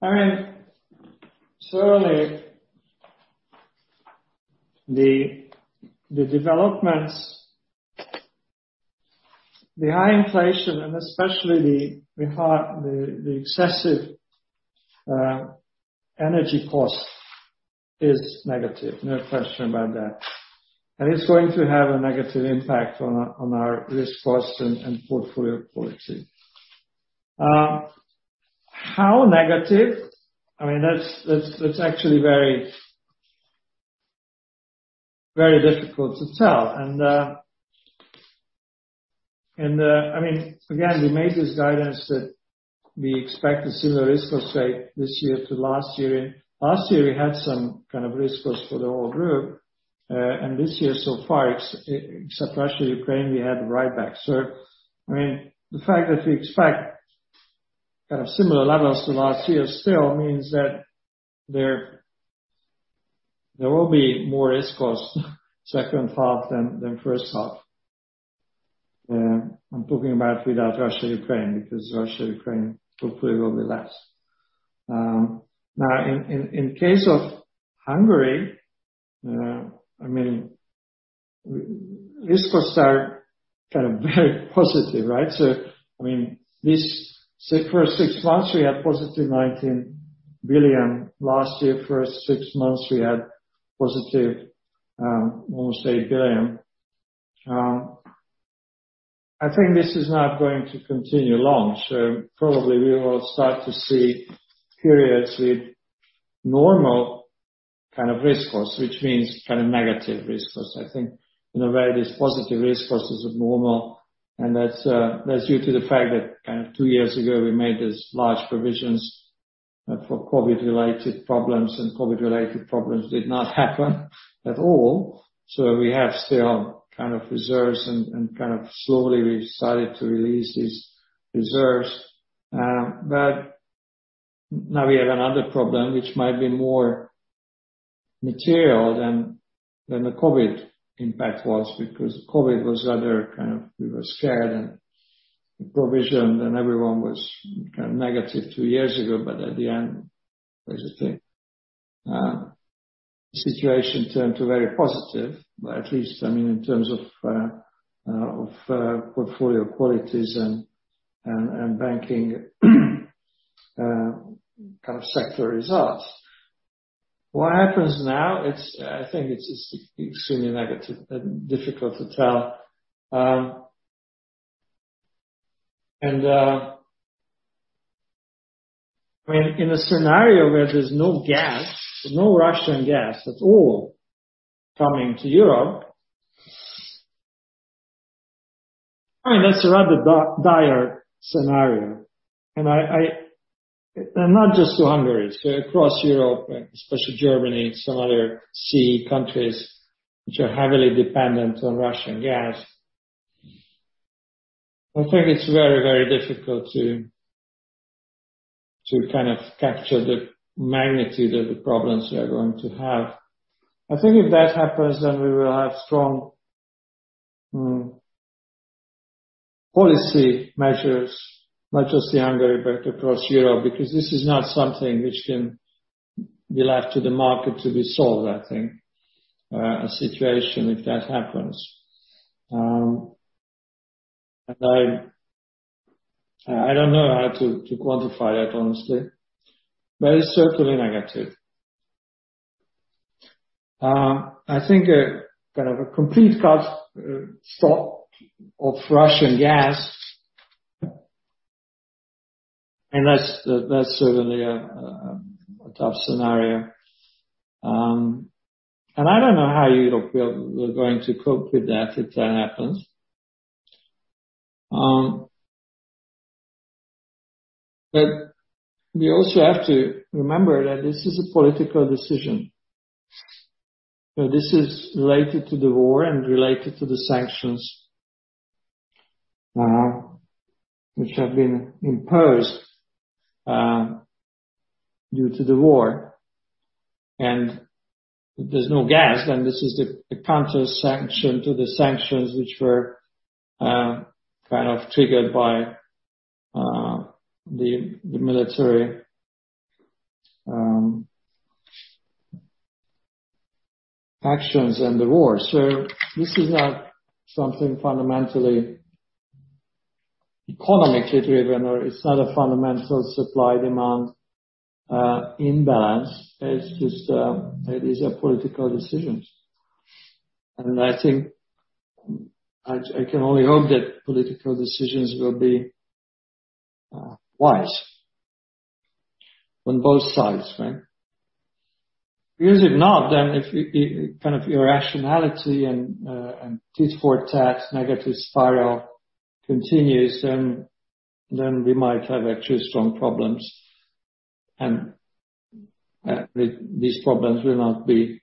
I mean, certainly the developments, the high inflation, and especially the excessive energy cost is negative, no question about that. It's going to have a negative impact on our cost of risk and portfolio policy. How negative? I mean, that's actually very difficult to tell. I mean, again, we made this guidance that we expect a similar cost of risk this year to last year. Last year we had some kind of risk costs for the whole group. This year so far except Russia, Ukraine, we had write-backs. I mean, the fact that we expect kind of similar levels to last year still means that there will be more risk costs second half than first half. I'm talking about without Russia, Ukraine, because Russia, Ukraine hopefully will be less. Now in case of Hungary, I mean, risk costs are kind of very positive, right? I mean, for six months we had positive 19 billion. Last year, first six months we had positive, almost 8 billion. I think this is not going to continue long, so probably we will start to see periods with normal kind of risk costs, which means kind of negative risk costs. I think in a way, this positive risk cost is abnormal, and that's due to the fact that kind of two years ago we made these large provisions for COVID related problems, and COVID related problems did not happen at all. We have still kind of reserves and kind of slowly we started to release these reserves. Now we have another problem which might be more material than the COVID impact was because COVID was rather kind of we were scared and we provisioned and everyone was kind of negative two years ago. At the end, basically, the situation turned to very positive, at least I mean in terms of portfolio qualities and banking kind of sector results. What happens now, I think it's extremely negative and difficult to tell. I mean, in a scenario where there's no gas, no Russian gas at all coming to Europe, I mean, that's a rather dire scenario. Not just to Hungary, it's across Europe, especially Germany and some other CEE countries which are heavily dependent on Russian gas. I think it's very, very difficult to kind of capture the magnitude of the problems we are going to have. I think if that happens, then we will have strong policy measures, not just in Hungary, but across Europe, because this is not something which can be left to the market to be solved, I think, a situation if that happens. I don't know how to quantify that honestly, but it's certainly negative. I think a kind of a complete cut, stop of Russian gas, I mean that's certainly a tough scenario. I don't know how we're going to cope with that if that happens. We also have to remember that this is a political decision. This is related to the war and related to the sanctions, which have been imposed due to the war. If there's no gas, then this is the counter sanction to the sanctions which were kind of triggered by the military actions and the war. This is not something fundamentally economically driven or it's not a fundamental supply demand imbalance. It's just it is a political decision. I think I can only hope that political decisions will be wise on both sides, right? Because if not, then if kind of irrationality and tit for tat negative spiral continues, then we might have actually strong problems. These problems will not be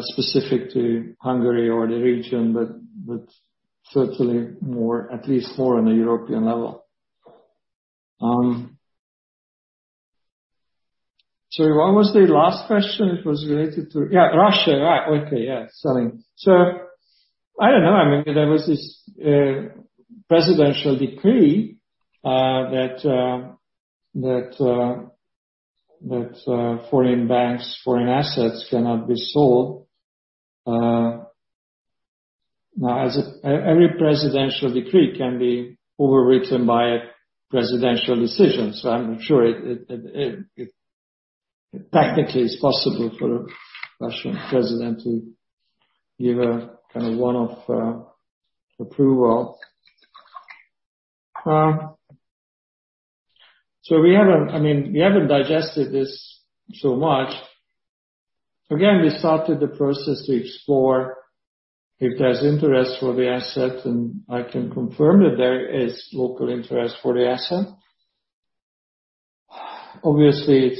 specific to Hungary or the region, but certainly more, at least more on the European level. What was the last question? It was related to yeah, Russia. Right. Okay. Yeah. Selling. I don't know. I mean, there was this presidential decree that foreign banks, foreign assets cannot be sold. Now, every presidential decree can be overwritten by a presidential decision. I'm sure it technically is possible for Russian president to give a kind of one-off approval. We haven't digested this so much. Again, we started the process to explore if there's interest for the asset, and I can confirm that there is local interest for the asset. Obviously,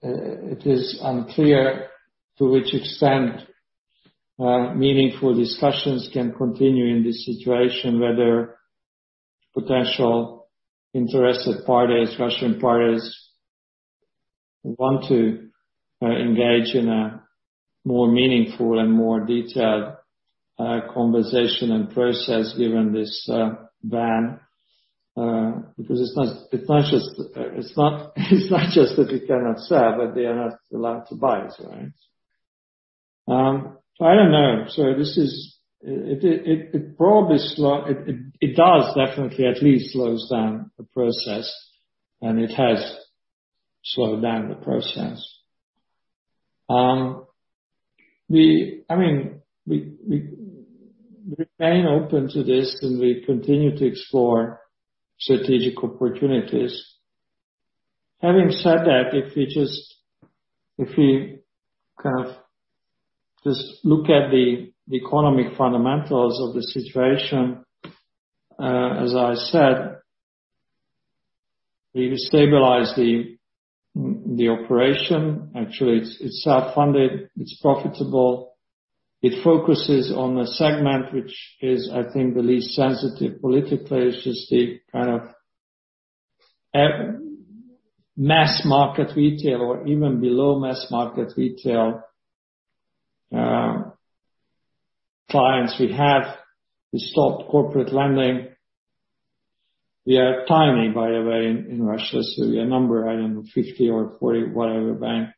it is unclear to which extent meaningful discussions can continue in this situation, whether potential interested parties, Russian parties want to engage in a more meaningful and more detailed conversation and process given this ban. Because it's not just that we cannot sell, but they are not allowed to buy, right? I don't know. It does definitely at least slow down the process, and it has slowed down the process. I mean, we remain open to this, and we continue to explore strategic opportunities. Having said that, if we kind of just look at the economic fundamentals of the situation, as I said, we've stabilized the operation. Actually it's self-funded, it's profitable. It focuses on the segment, which is I think the least sensitive politically. It's just the kind of mass market retail or even below mass market retail clients we have. We stopped corporate lending. We are tiny, by the way, in Russia. We are number, I don't know, 50 or 40, whatever bank.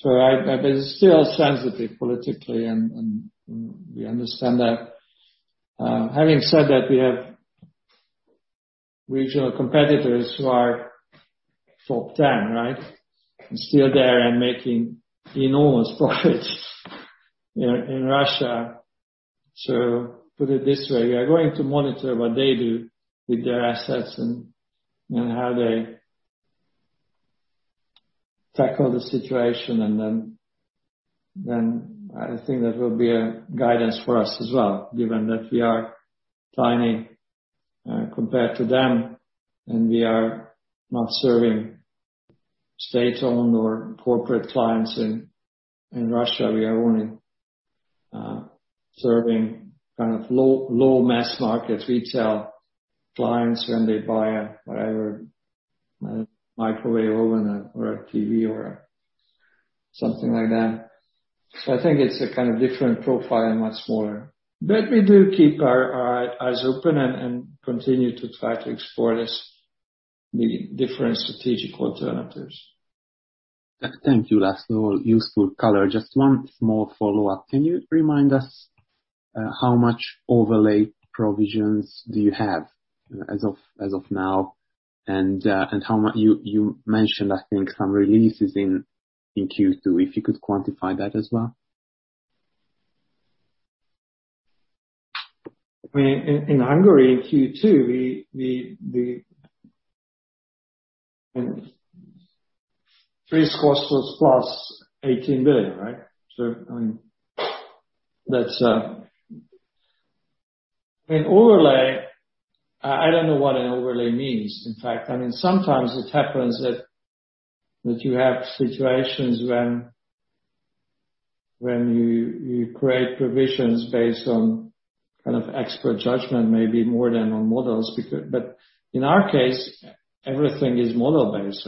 But it's still sensitive politically and we understand that. Having said that, we have regional competitors who are top 10, right? Still there and making enormous profits in Russia. Put it this way, we are going to monitor what they do with their assets and how they tackle the situation. Then I think that will be a guidance for us as well, given that we are tiny compared to them, and we are not serving state-owned or corporate clients in Russia. We are only serving kind of low mass market retail clients when they buy a whatever, a microwave oven or a TV or something like that. I think it's a kind of different profile and much smaller. We do keep our eyes open and continue to try to explore this, the different strategic alternatives. Thank you, László. Useful color. Just one small follow-up. Can you remind us how much overlay provisions do you have as of now, and how much you mentioned, I think, some releases in Q2. If you could quantify that as well. I mean, in Hungary, in Q2, risk costs was + 18 billion, right? I mean, that's. I mean, overlay, I don't know what an overlay means, in fact. I mean, sometimes it happens that you have situations when you create provisions based on kind of expert judgment, maybe more than on models. In our case, everything is model-based,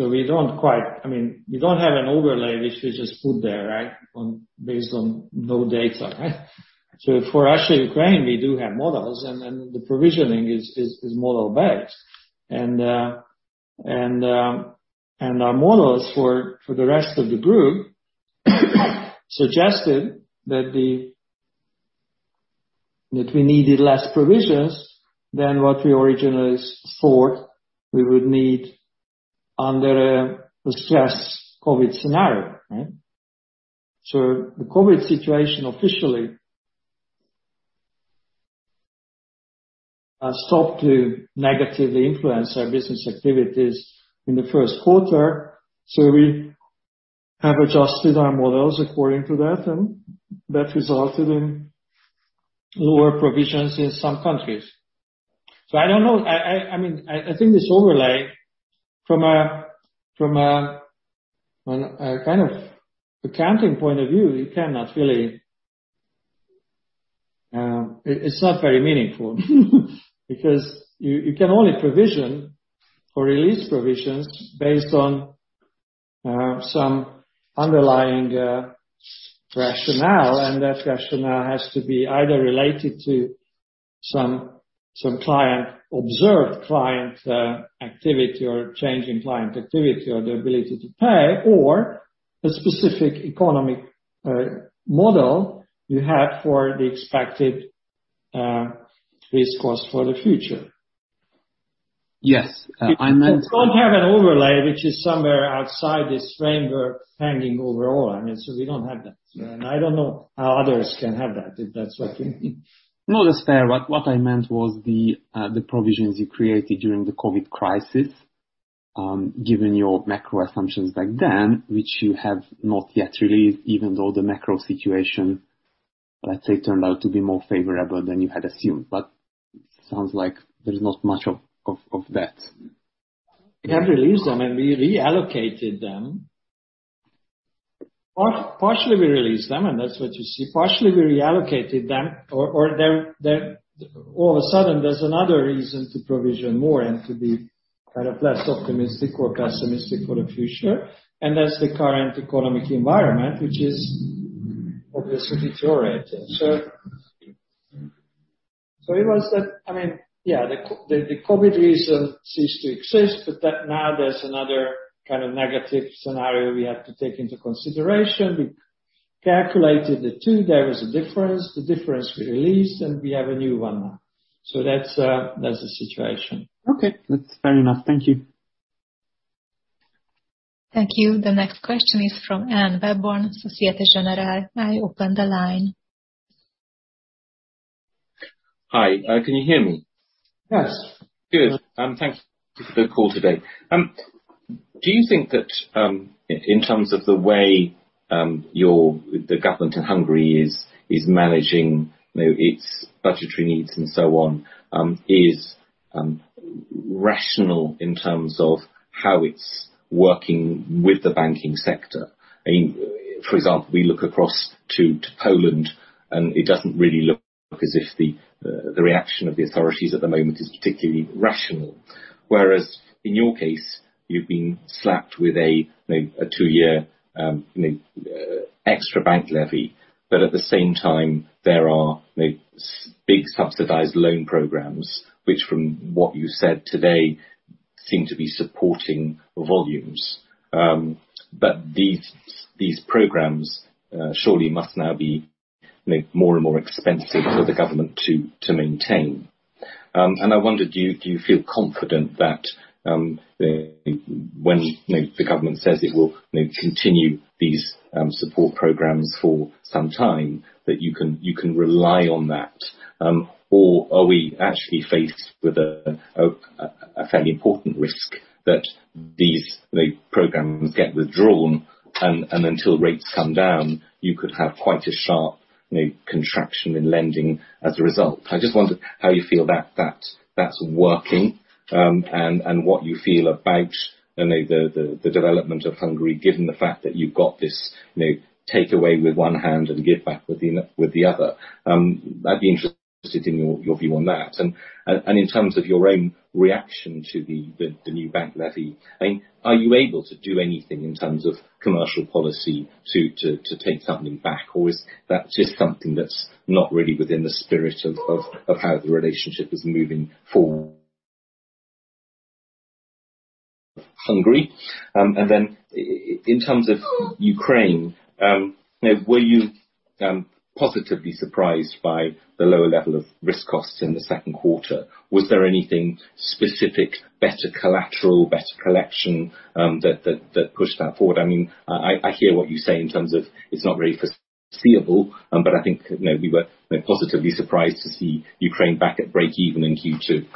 right? I mean, we don't have an overlay which we just put there, right? Based on no data, right? For Ukraine, actually, we do have models and the provisioning is model-based. Our models for the rest of the group suggested that we needed less provisions than what we originally thought we would need under a stressed COVID scenario, right? The COVID situation officially has stopped to negatively influence our business activities in the first quarter. We have adjusted our models according to that, and that resulted in lower provisions in some countries. I don't know. I mean, I think this overlay from a kind of accounting point of view, you cannot really. It is not very meaningful. Because you can only provision or release provisions based on some underlying rationale, and that rationale has to be either related to some client. Observed client activity or change in client activity or the ability to pay or a specific economic model you have for the expected cost of risk for the future. Yes. I meant. We don't have an overlay which is somewhere outside this framework hanging overall. I mean, so we don't have that. I don't know how others can have that, if that's what you mean. No, that's fair. What I meant was the provisions you created during the COVID crisis, given your macro assumptions back then, which you have not yet released, even though the macro situation, let's say, turned out to be more favorable than you had assumed. Sounds like there's not much of that. We have released them, and we reallocated them. Partially we released them, and that's what you see. Partially we reallocated them. All of a sudden, there's another reason to provision more and to be kind of less optimistic or pessimistic for the future. That's the current economic environment, which is obviously deteriorating. It was that. I mean, yeah, the COVID reason ceased to exist, but now there's another kind of negative scenario we have to take into consideration. We calculated the two. There was a difference. The difference we released, and we have a new one now. That's the situation. Okay. That's fair enough. Thank you. Thank you. The next question is from Simon Nellis, Société Générale. I open the line. Hi, can you hear me? Yes. Good. Thanks for the call today. Do you think that in terms of the way the government in Hungary is managing, you know, its budgetary needs and so on, is rational in terms of how it's working with the banking sector? I mean, for example, we look across to Poland, and it doesn't really look as if the reaction of the authorities at the moment is particularly rational. Whereas in your case, you've been slapped with a, you know, a two-year extra bank levy. At the same time, there are, you know, such big subsidized loan programs, which from what you said today, seem to be supporting volumes. These programs surely must now be, you know, more and more expensive for the government to maintain. I wondered, do you feel confident that, when, you know, the government says it will, you know, continue these support programs for some time, that you can rely on that? Are we actually faced with a fairly important risk that these programs get withdrawn and until rates come down, you could have quite a sharp, you know, contraction in lending as a result. I just wondered how you feel that that's working, and what you feel about the development of Hungary, given the fact that you've got this, you know, take away with one hand and give back with the other. I'd be interested in your view on that. In terms of your own reaction to the new bank levy, I mean, are you able to do anything in terms of commercial policy to take something back or is that just something that's not really within the spirit of how the relationship is moving forward Hungary. In terms of Ukraine, you know, were you positively surprised by the lower level of cost of risk in the second quarter? Was there anything specific, better collateral, better collection, that pushed that forward? I mean, I hear what you say in terms of it's not really foreseeable, but I think, you know, we were, you know, positively surprised to see Ukraine back at breakeven in Q2.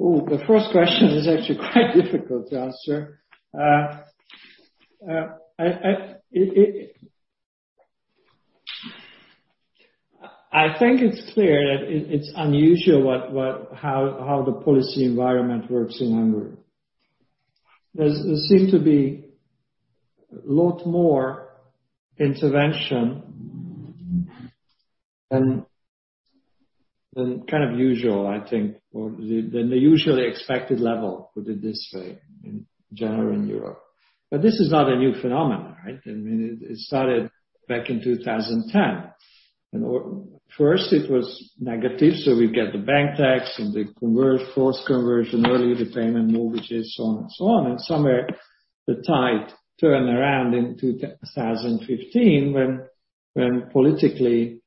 Oh, the first question is actually quite difficult to answer. I think it's clear that it's unusual how the policy environment works in Hungary. There seem to be a lot more intervention than kind of usual I think, or than the usually expected level, put it this way, in general in Europe. But this is not a new phenomenon, right? I mean, it started back in 2010. First it was negative, so we get the bank levy and the forced conversion, early repayment mortgages, so on and so on. Somewhere the tide turned around in 2015 when politically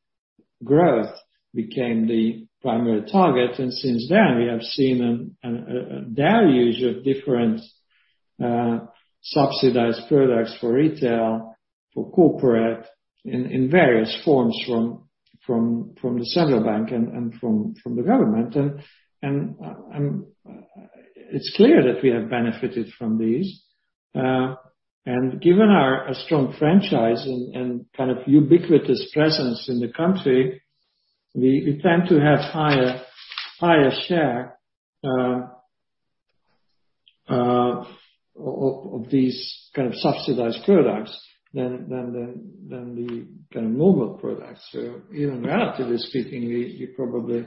growth became the primary target. Since then, we have seen a deluge of different subsidized products for retail, for corporate in various forms from the Central Bank and from the government. It's clear that we have benefited from these. Given our strong franchise and kind of ubiquitous presence in the country, we tend to have higher share of these kind of subsidized products than the kind of normal products. Even relatively speaking, you probably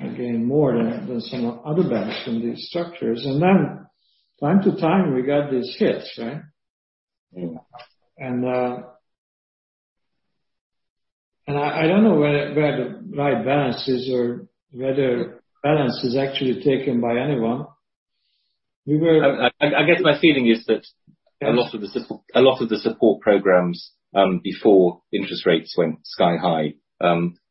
gain more than some other banks from these structures. Then from time to time, we get these hits, right? I don't know where the right balance is or whether balance is actually taken by anyone. We were. I guess my feeling is that a lot of the support programs before interest rates went sky high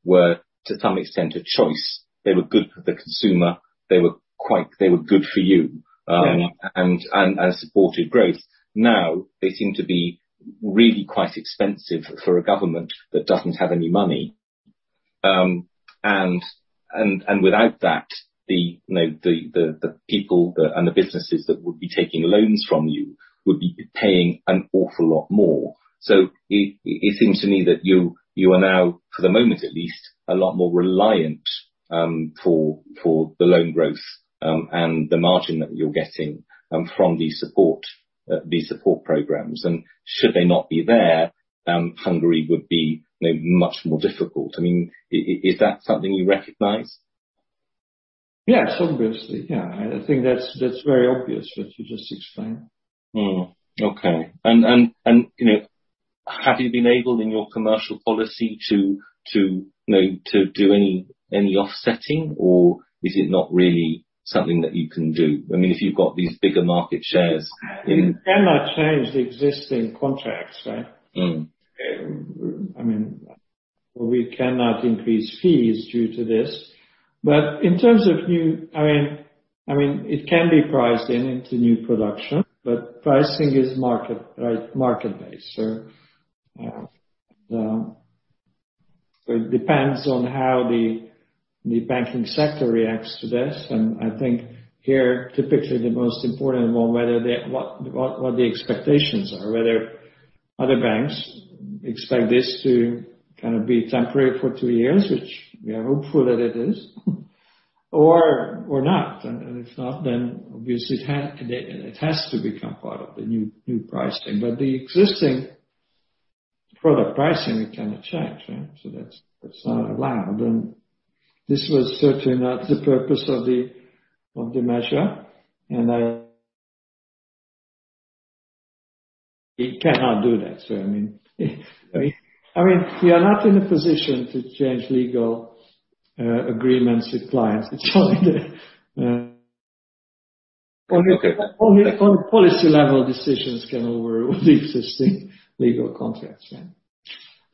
were to some extent a choice. They were good for the consumer. They were good for you. Yeah. Supported growth. Now, they seem to be really quite expensive for a government that doesn't have any money. Without that, you know, the people and the businesses that would be taking loans from you would be paying an awful lot more. It seems to me that you are now, for the moment at least, a lot more reliant for the loan growth and the margin that you're getting from these support programs. Should they not be there, Hungary would be, you know, much more difficult. I mean, is that something you recognize? Yes, obviously. Yeah. I think that's very obvious what you just explained. Okay, you know, have you been able in your commercial policy to, you know, to do any offsetting or is it not really something that you can do? I mean, if you've got these bigger market shares. You cannot change the existing contracts, right? Mm. I mean, we cannot increase fees due to this. In terms of new, it can be priced in into new production, but pricing is market, right, market-based. It depends on how the banking sector reacts to this. I think here, typically the most important one, whether what the expectations are. Whether other banks expect this to kind of be temporary for two years, which we are hopeful that it is, or not. If not, then obviously it has to become part of the new pricing. The existing product pricing, we cannot change, right? That's not allowed. This was certainly not the purpose of the measure. We cannot do that. I mean, we are not in a position to change legal agreements with clients. It's only the Okay. Only policy level decisions can overrule the existing legal contracts,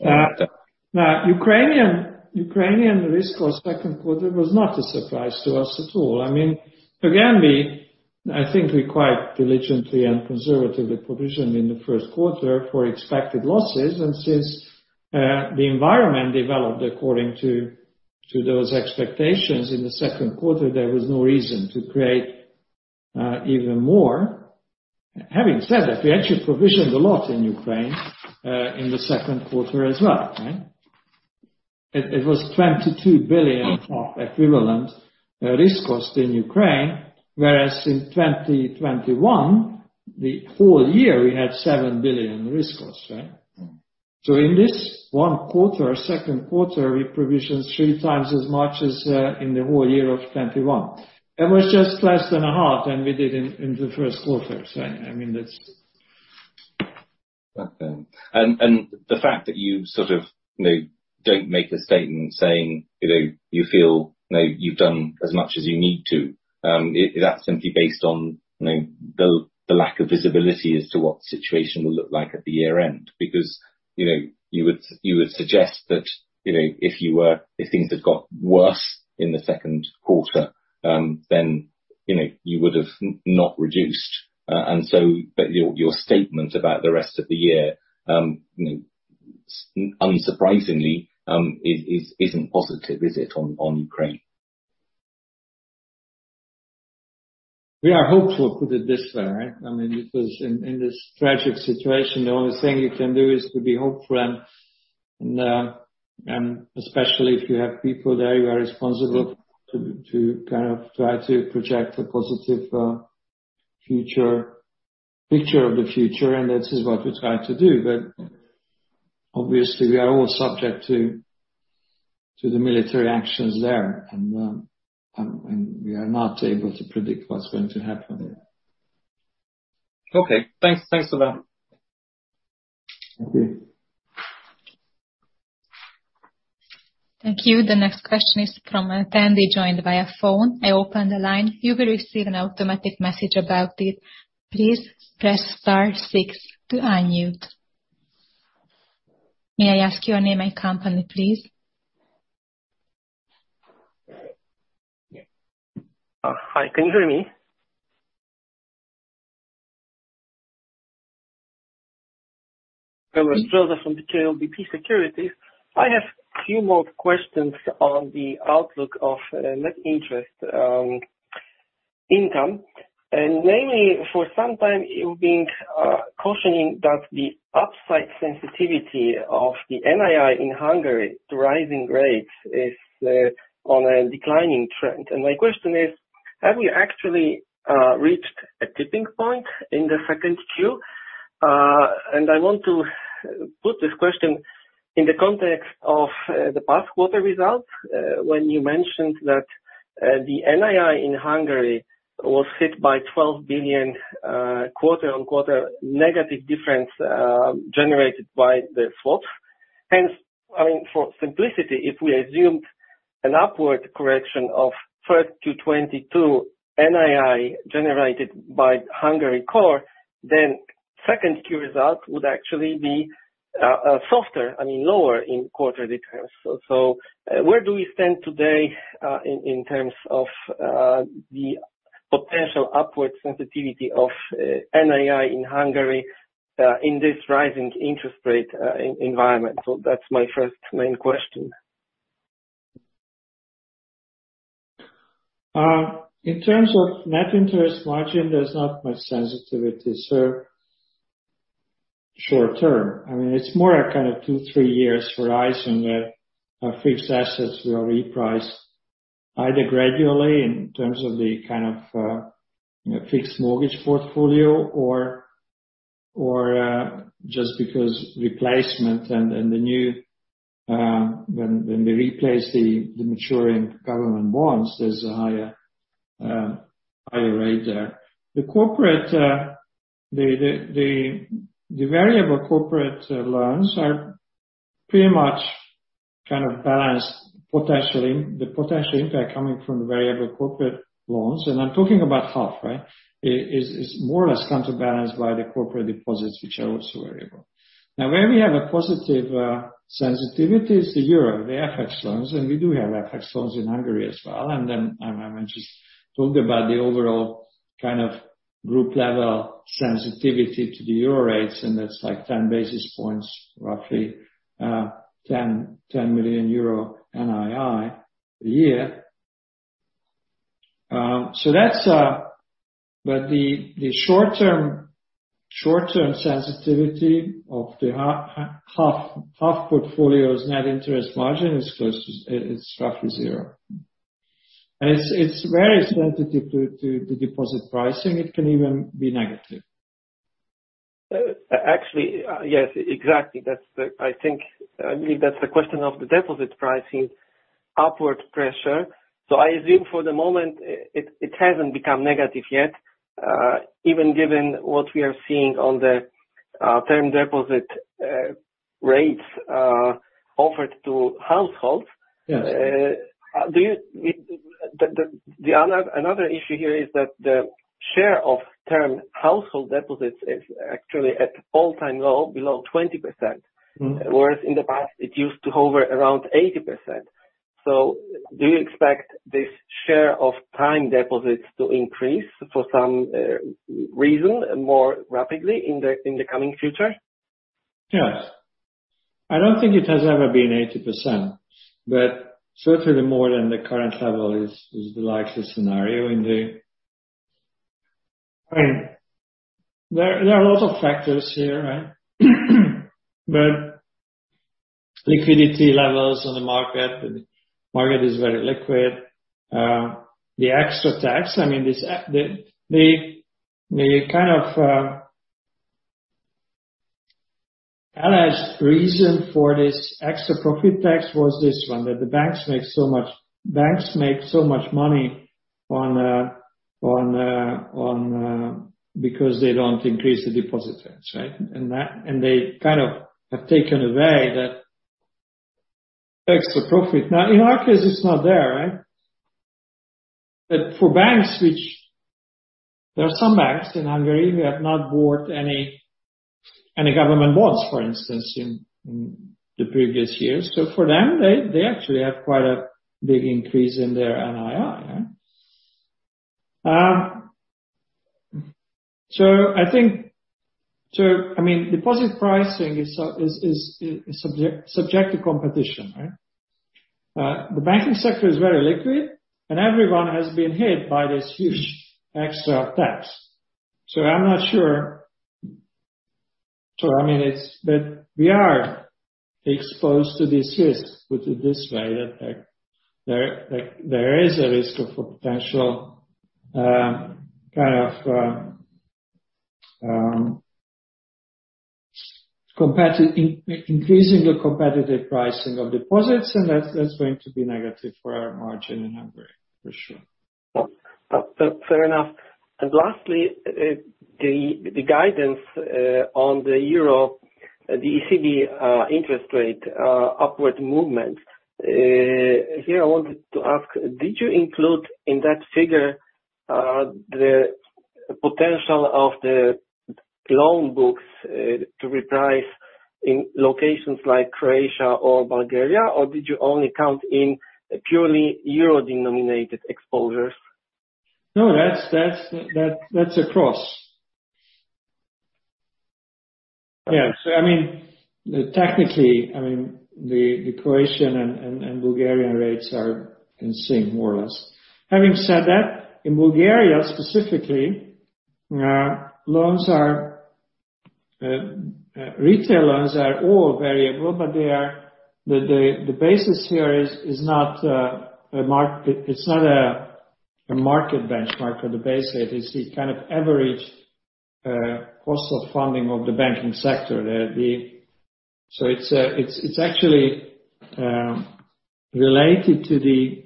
right? Now Ukrainian risk for second quarter was not a surprise to us at all. I mean, again, I think we quite diligently and conservatively provisioned in the first quarter for expected losses. Since the environment developed according to those expectations in the second quarter, there was no reason to create even more. Having said that, we actually provisioned a lot in Ukraine in the second quarter as well, right? It was 22 billion equivalent risk cost in Ukraine, whereas in 2021, the whole year we had 7 billion risk cost, right? Mm. In this one quarter, second quarter, we provisioned three times as much as in the whole year of 2021. It was just less than a half than we did in the first quarter. I mean, that's. Okay. The fact that you sort of, you know, don't make a statement saying, you know, you feel, you know, you've done as much as you need to, is that simply based on, you know, the lack of visibility as to what the situation will look like at the year end? Because, you know, you would suggest that, you know, if things had got worse in the second quarter, then, you know, you would have not reduced. But your statement about the rest of the year, you know, unsurprisingly, isn't positive, is it, on Ukraine? We are hopeful, put it this way, right? I mean, because in this tragic situation, the only thing you can do is to be hopeful and especially if you have people there, you are responsible to kind of try to project a positive future, picture of the future. This is what we try to do. Obviously, we are all subject to the military actions there. We are not able to predict what's going to happen. Okay, thanks. Thanks for that. Thank you. Thank you. The next question is from an attendee joined via phone. I open the line. You will receive an automatic message about it. Please press star six to unmute. May I ask your name and company, please? Hi, can you hear me? Jovan Sikimic from ODDO BHF. I have few more questions on the outlook of net interest income, and mainly for some time you've been cautioning that the upside sensitivity of the NII in Hungary to rising rates is on a declining trend. My question is, have you actually reached a tipping point in the second Q? I want to put this question in the context of the past quarter results, when you mentioned that the NII in Hungary was hit by 12 billion quarter-on-quarter negative difference generated by the swaps. Hence, I mean, for simplicity, if we assumed an upward correction of Q1 to Q2 NII generated by Hungary core, then second Q result would actually be softer, I mean, lower in quarter details. Where do we stand today in terms of the potential upward sensitivity of NII in Hungary in this rising interest rate environment? That's my first main question. In terms of net interest margin, there's not much sensitivity, so short term. I mean, it's more a kind of two to three years horizon that fixed assets will reprice either gradually in terms of the kind of, you know, fixed mortgage portfolio or just because replacement and the new when we replace the maturing government bonds, there's a higher rate there. The variable corporate loans are pretty much kind of balanced potentially. The potential impact coming from the variable corporate loans, and I'm talking about half, right, is more or less counterbalanced by the corporate deposits which are also variable. Now, where we have a positive sensitivity is the euro, the FX loans, and we do have FX loans in Hungary as well. I mentioned... Talked about the overall kind of group level sensitivity to the euro rates, and that's like 10 basis points, roughly, 10 million euro NII a year. The short-term sensitivity of the half portfolio's net interest margin is roughly zero. It's very sensitive to deposit pricing. It can even be negative. Actually, yes, exactly. That's the, I think, I believe that's the question of the deposit pricing upward pressure. I assume for the moment it hasn't become negative yet, even given what we are seeing on the term deposit rates offered to households. Yes. Another issue here is that the share of term household deposits is actually at all-time low, below 20%. Mm-hmm. Whereas in the past it used to hover around 80%. Do you expect this share of time deposits to increase for some reason more rapidly in the coming future? Yes. I don't think it has ever been 80%, but certainly more than the current level is the likeliest scenario. I mean, there are a lot of factors here, right? Liquidity levels on the market, the market is very liquid. The extra tax, I mean, the kind of alleged reason for this extra profit tax was this one, that the banks make so much money on because they don't increase the deposit rates, right? They kind of have taken away that extra profit. Now, in our case, it's not there, right? For banks which, there are some banks in Hungary who have not bought any government bonds, for instance, in the previous years. For them, they actually have quite a big increase in their NII, right? I mean, deposit pricing is subject to competition, right? The banking sector is very liquid, and everyone has been hit by this huge extra tax. I'm not sure. I mean, we are exposed to this risk. Put it this way, that there is a risk of a potential kind of increasing the competitive pricing of deposits, and that's going to be negative for our margin in Hungary, for sure. Fair enough. Lastly, the guidance on the euro, the ECB, interest rate upward movement. Here I wanted to ask, did you include in that figure the potential of the loan books to reprice in locations like Croatia or Bulgaria? Or did you only count in purely euro-denominated exposures? No, that's across. Yeah. I mean, technically, I mean, the Croatian and Bulgarian rates are in sync more or less. Having said that, in Bulgaria specifically, retail loans are all variable, but they are. The basis here is not a market benchmark or the base rate. It's the kind of average cost of funding of the banking sector. It's actually related to the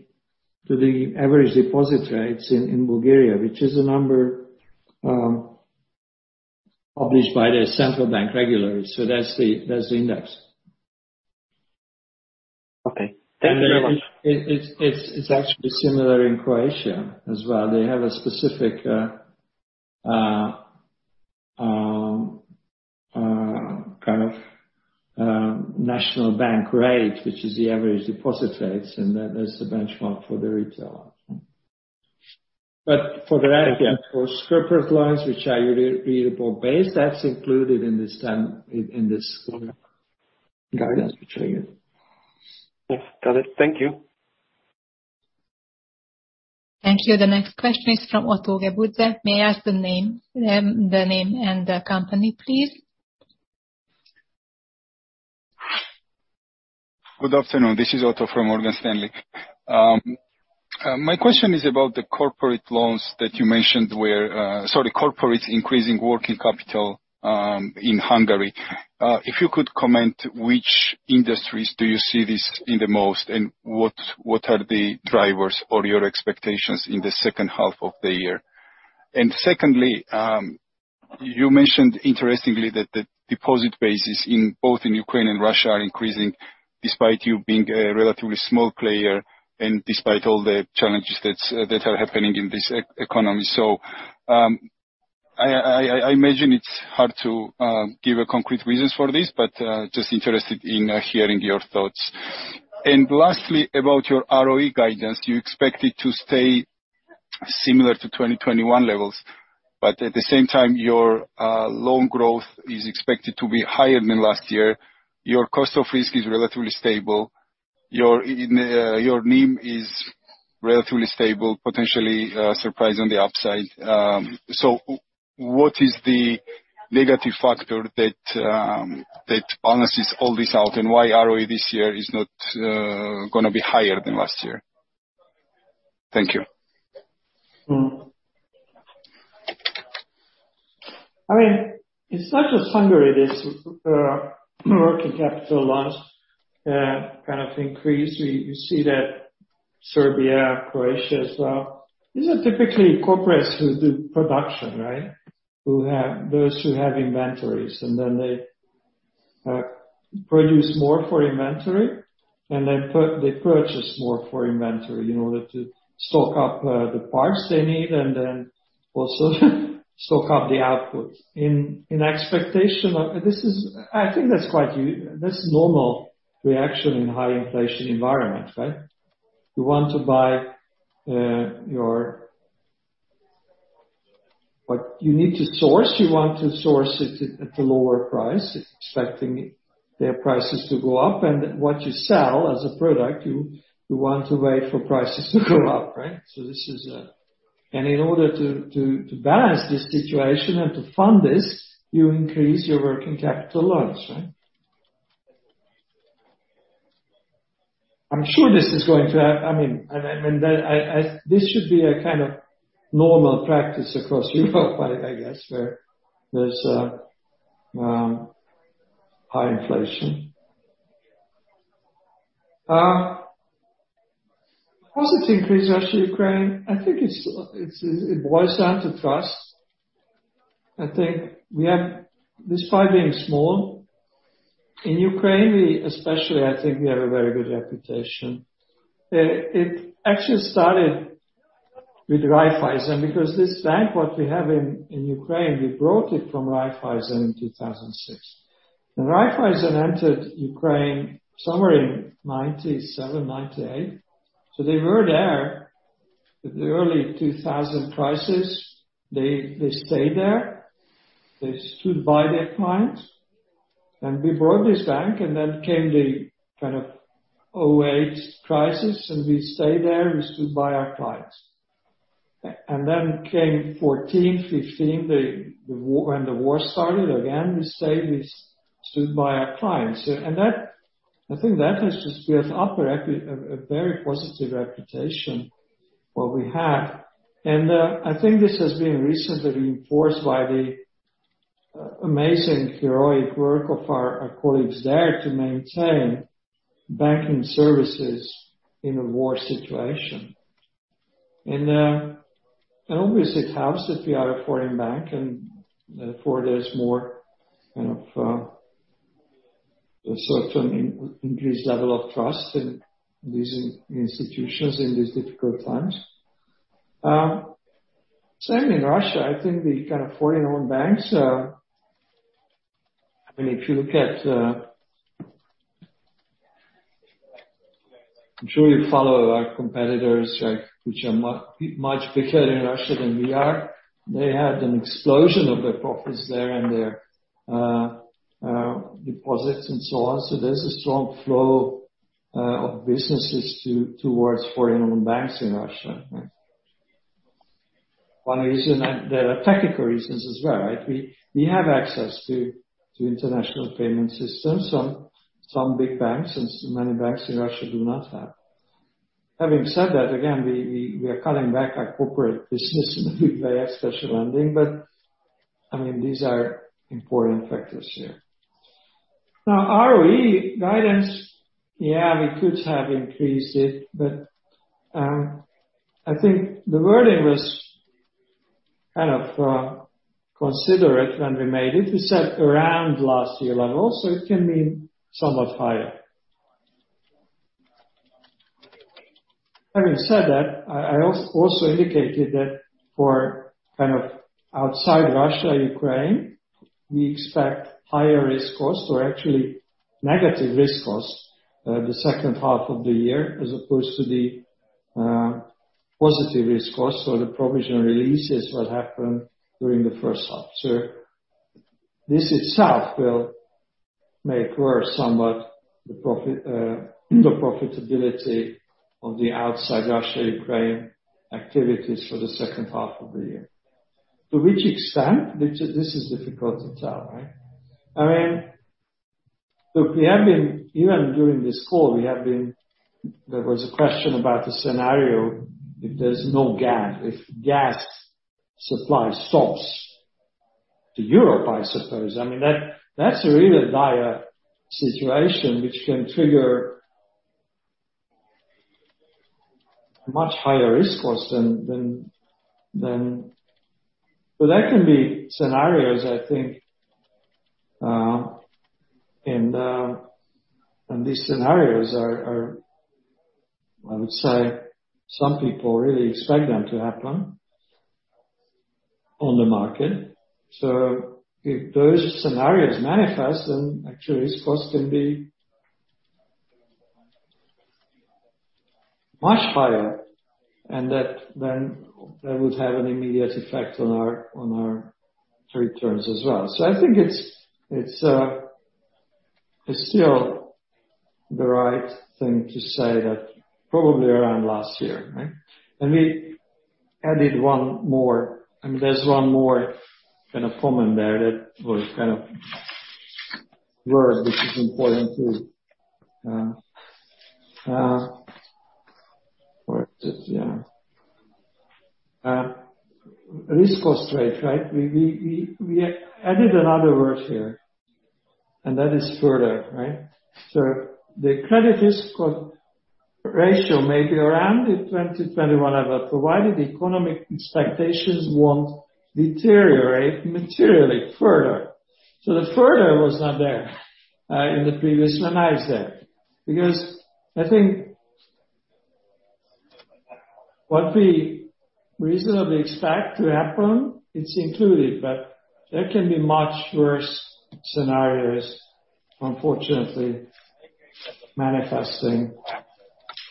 average deposit rates in Bulgaria, which is a number published by the central bank regularly. That's the index. Okay. Thank you very much. It's actually similar in Croatia as well. They have a specific national bank rate, which is the average deposit rates, and that is the benchmark for the retail. But for the rest Thank you. For corporate loans, which are repayable base, that's included in this guidance, which I gave. Yes. Got it. Thank you. Here the next question is from Gábor Bukta. May I ask the name and the company, please? Good afternoon. This is Otto from Morgan Stanley. My question is about the corporate loans that you mentioned where corporates increasing working capital in Hungary. If you could comment which industries do you see this in the most, and what are the drivers or your expectations in the second half of the year? Secondly, you mentioned interestingly that the deposit bases in both Ukraine and Russia are increasing despite you being a relatively small player and despite all the challenges that are happening in this economy. I imagine it's hard to give concrete reasons for this, but just interested in hearing your thoughts. Lastly, about your ROE guidance, you expect it to stay similar to 2021 levels. At the same time, your loan growth is expected to be higher than last year. Your cost of risk is relatively stable. Your NIM is relatively stable, potentially surprise on the upside. What is the negative factor that balances all this out, and why ROE this year is not gonna be higher than last year? Thank you. I mean, it's not just Hungary, this working capital loans kind of increase. You see that in Serbia, Croatia as well. These are typically corporates who do production, right? Those who have inventories, and then they produce more for inventory, and they purchase more for inventory in order to stock up the parts they need and then also stock up the outputs. In expectation of. This is. I think that's a normal reaction in high inflation environment, right? You want to buy what you need to source, you want to source it at a lower price, expecting their prices to go up. What you sell as a product, you want to wait for prices to go up, right? This is. In order to balance this situation and to fund this, you increase your working capital loans, right? This should be a kind of normal practice across Europe, I guess where there's high inflation. Deposits increase. Actually in Ukraine, I think it's it boils down to trust. Despite being small, in Ukraine, we especially, I think we have a very good reputation. It actually started with Raiffeisen because this bank, what we have in Ukraine, we brought it from Raiffeisen in 2006. When Raiffeisen entered Ukraine somewhere in 1997, 1998. They were there with the early 2000s. They stayed there. They stood by their clients. We bought this bank, and then came the 2008 crisis, and we stayed there. We stood by our clients. Then came 2014, 2015, the war, when the war started again, we stayed by our clients. I think that has just built up a very positive reputation. What we have. I think this has been recently reinforced by the amazing heroic work of our colleagues there to maintain banking services in a war situation. Obviously it helps that we are a foreign bank and therefore there's more, kind of, a certain increased level of trust in these institutions in these difficult times. Same in Russia. I think the kind of foreign-owned banks. I mean, if you look at. I'm sure you follow our competitors, right, which are much bigger in Russia than we are. They had an explosion of their profits there and their deposits and so on. There's a strong flow of businesses toward foreign-owned banks in Russia, right? One reason, and there are technical reasons as well, right? We are cutting back our corporate business and we play a special lending. I mean, these are important factors here. Now, ROE guidance. Yeah, we could have increased it, but I think the wording was kind of considerate when we made it. We said around last year level, so it can mean somewhat higher. Having said that, I also indicated that for kind of outside Russia, Ukraine, we expect higher risk cost or actually negative risk cost, the second half of the year, as opposed to the positive risk cost or the provision release is what happened during the first half. This itself will make worse somewhat the profit, the profitability of the outside Russia, Ukraine activities for the second half of the year. To which extent, this is difficult to tell, right? I mean, look, even during this call, there was a question about the scenario if there's no gas. If gas supply stops to Europe, I suppose. I mean, that's a really dire situation which can trigger much higher risk costs than. Well, there can be scenarios I think, and these scenarios are. I would say some people really expect them to happen on the market. If those scenarios manifest, actually risk cost can be much higher and that would have an immediate effect on our returns as well. I think it's still the right thing to say that probably around last year, right? We added one more. I mean, there's one more kind of comment there that was kind of word which is important too. Where is it? Yeah. Risk cost rate, right? We added another word here, and that is further, right? The credit risk cost ratio may be around the 2021 level, provided economic expectations won't deteriorate materially further. The future was not there in the previous one. Now it's there. Because I think what we reasonably expect to happen, it's included, but there can be much worse scenarios unfortunately manifesting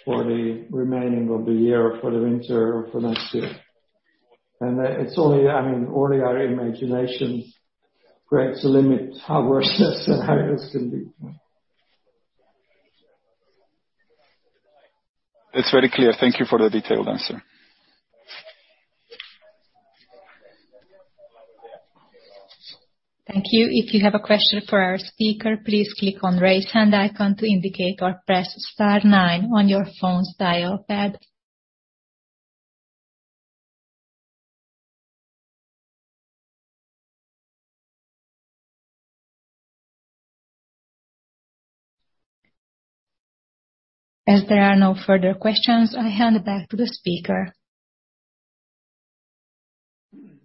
for the remainder of the year, for the winter or for next year. It's only, I mean, only our imagination creates a limit how much worse those scenarios can be. It's very clear. Thank you for the detailed answer. Thank you. If you have a question for our speaker, please click on raise hand icon to indicate or press star nine on your phone's dial pad. As there are no further questions, I hand it back to the speaker.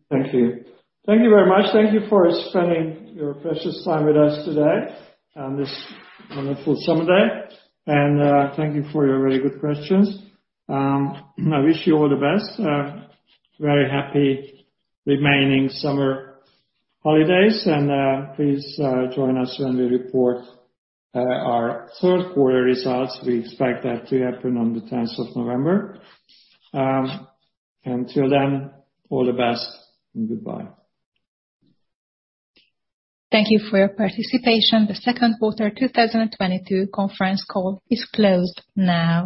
Thank you. Thank you very much. Thank you for spending your precious time with us today on this wonderful summer day. Thank you for your very good questions. I wish you all the best. Very happy remaining summer holidays. Please join us when we report our third quarter results. We expect that to happen on the tenth of November. Until then, all the best, and goodbye. Thank you for your participation. The second quarter 2022 conference call is closed now.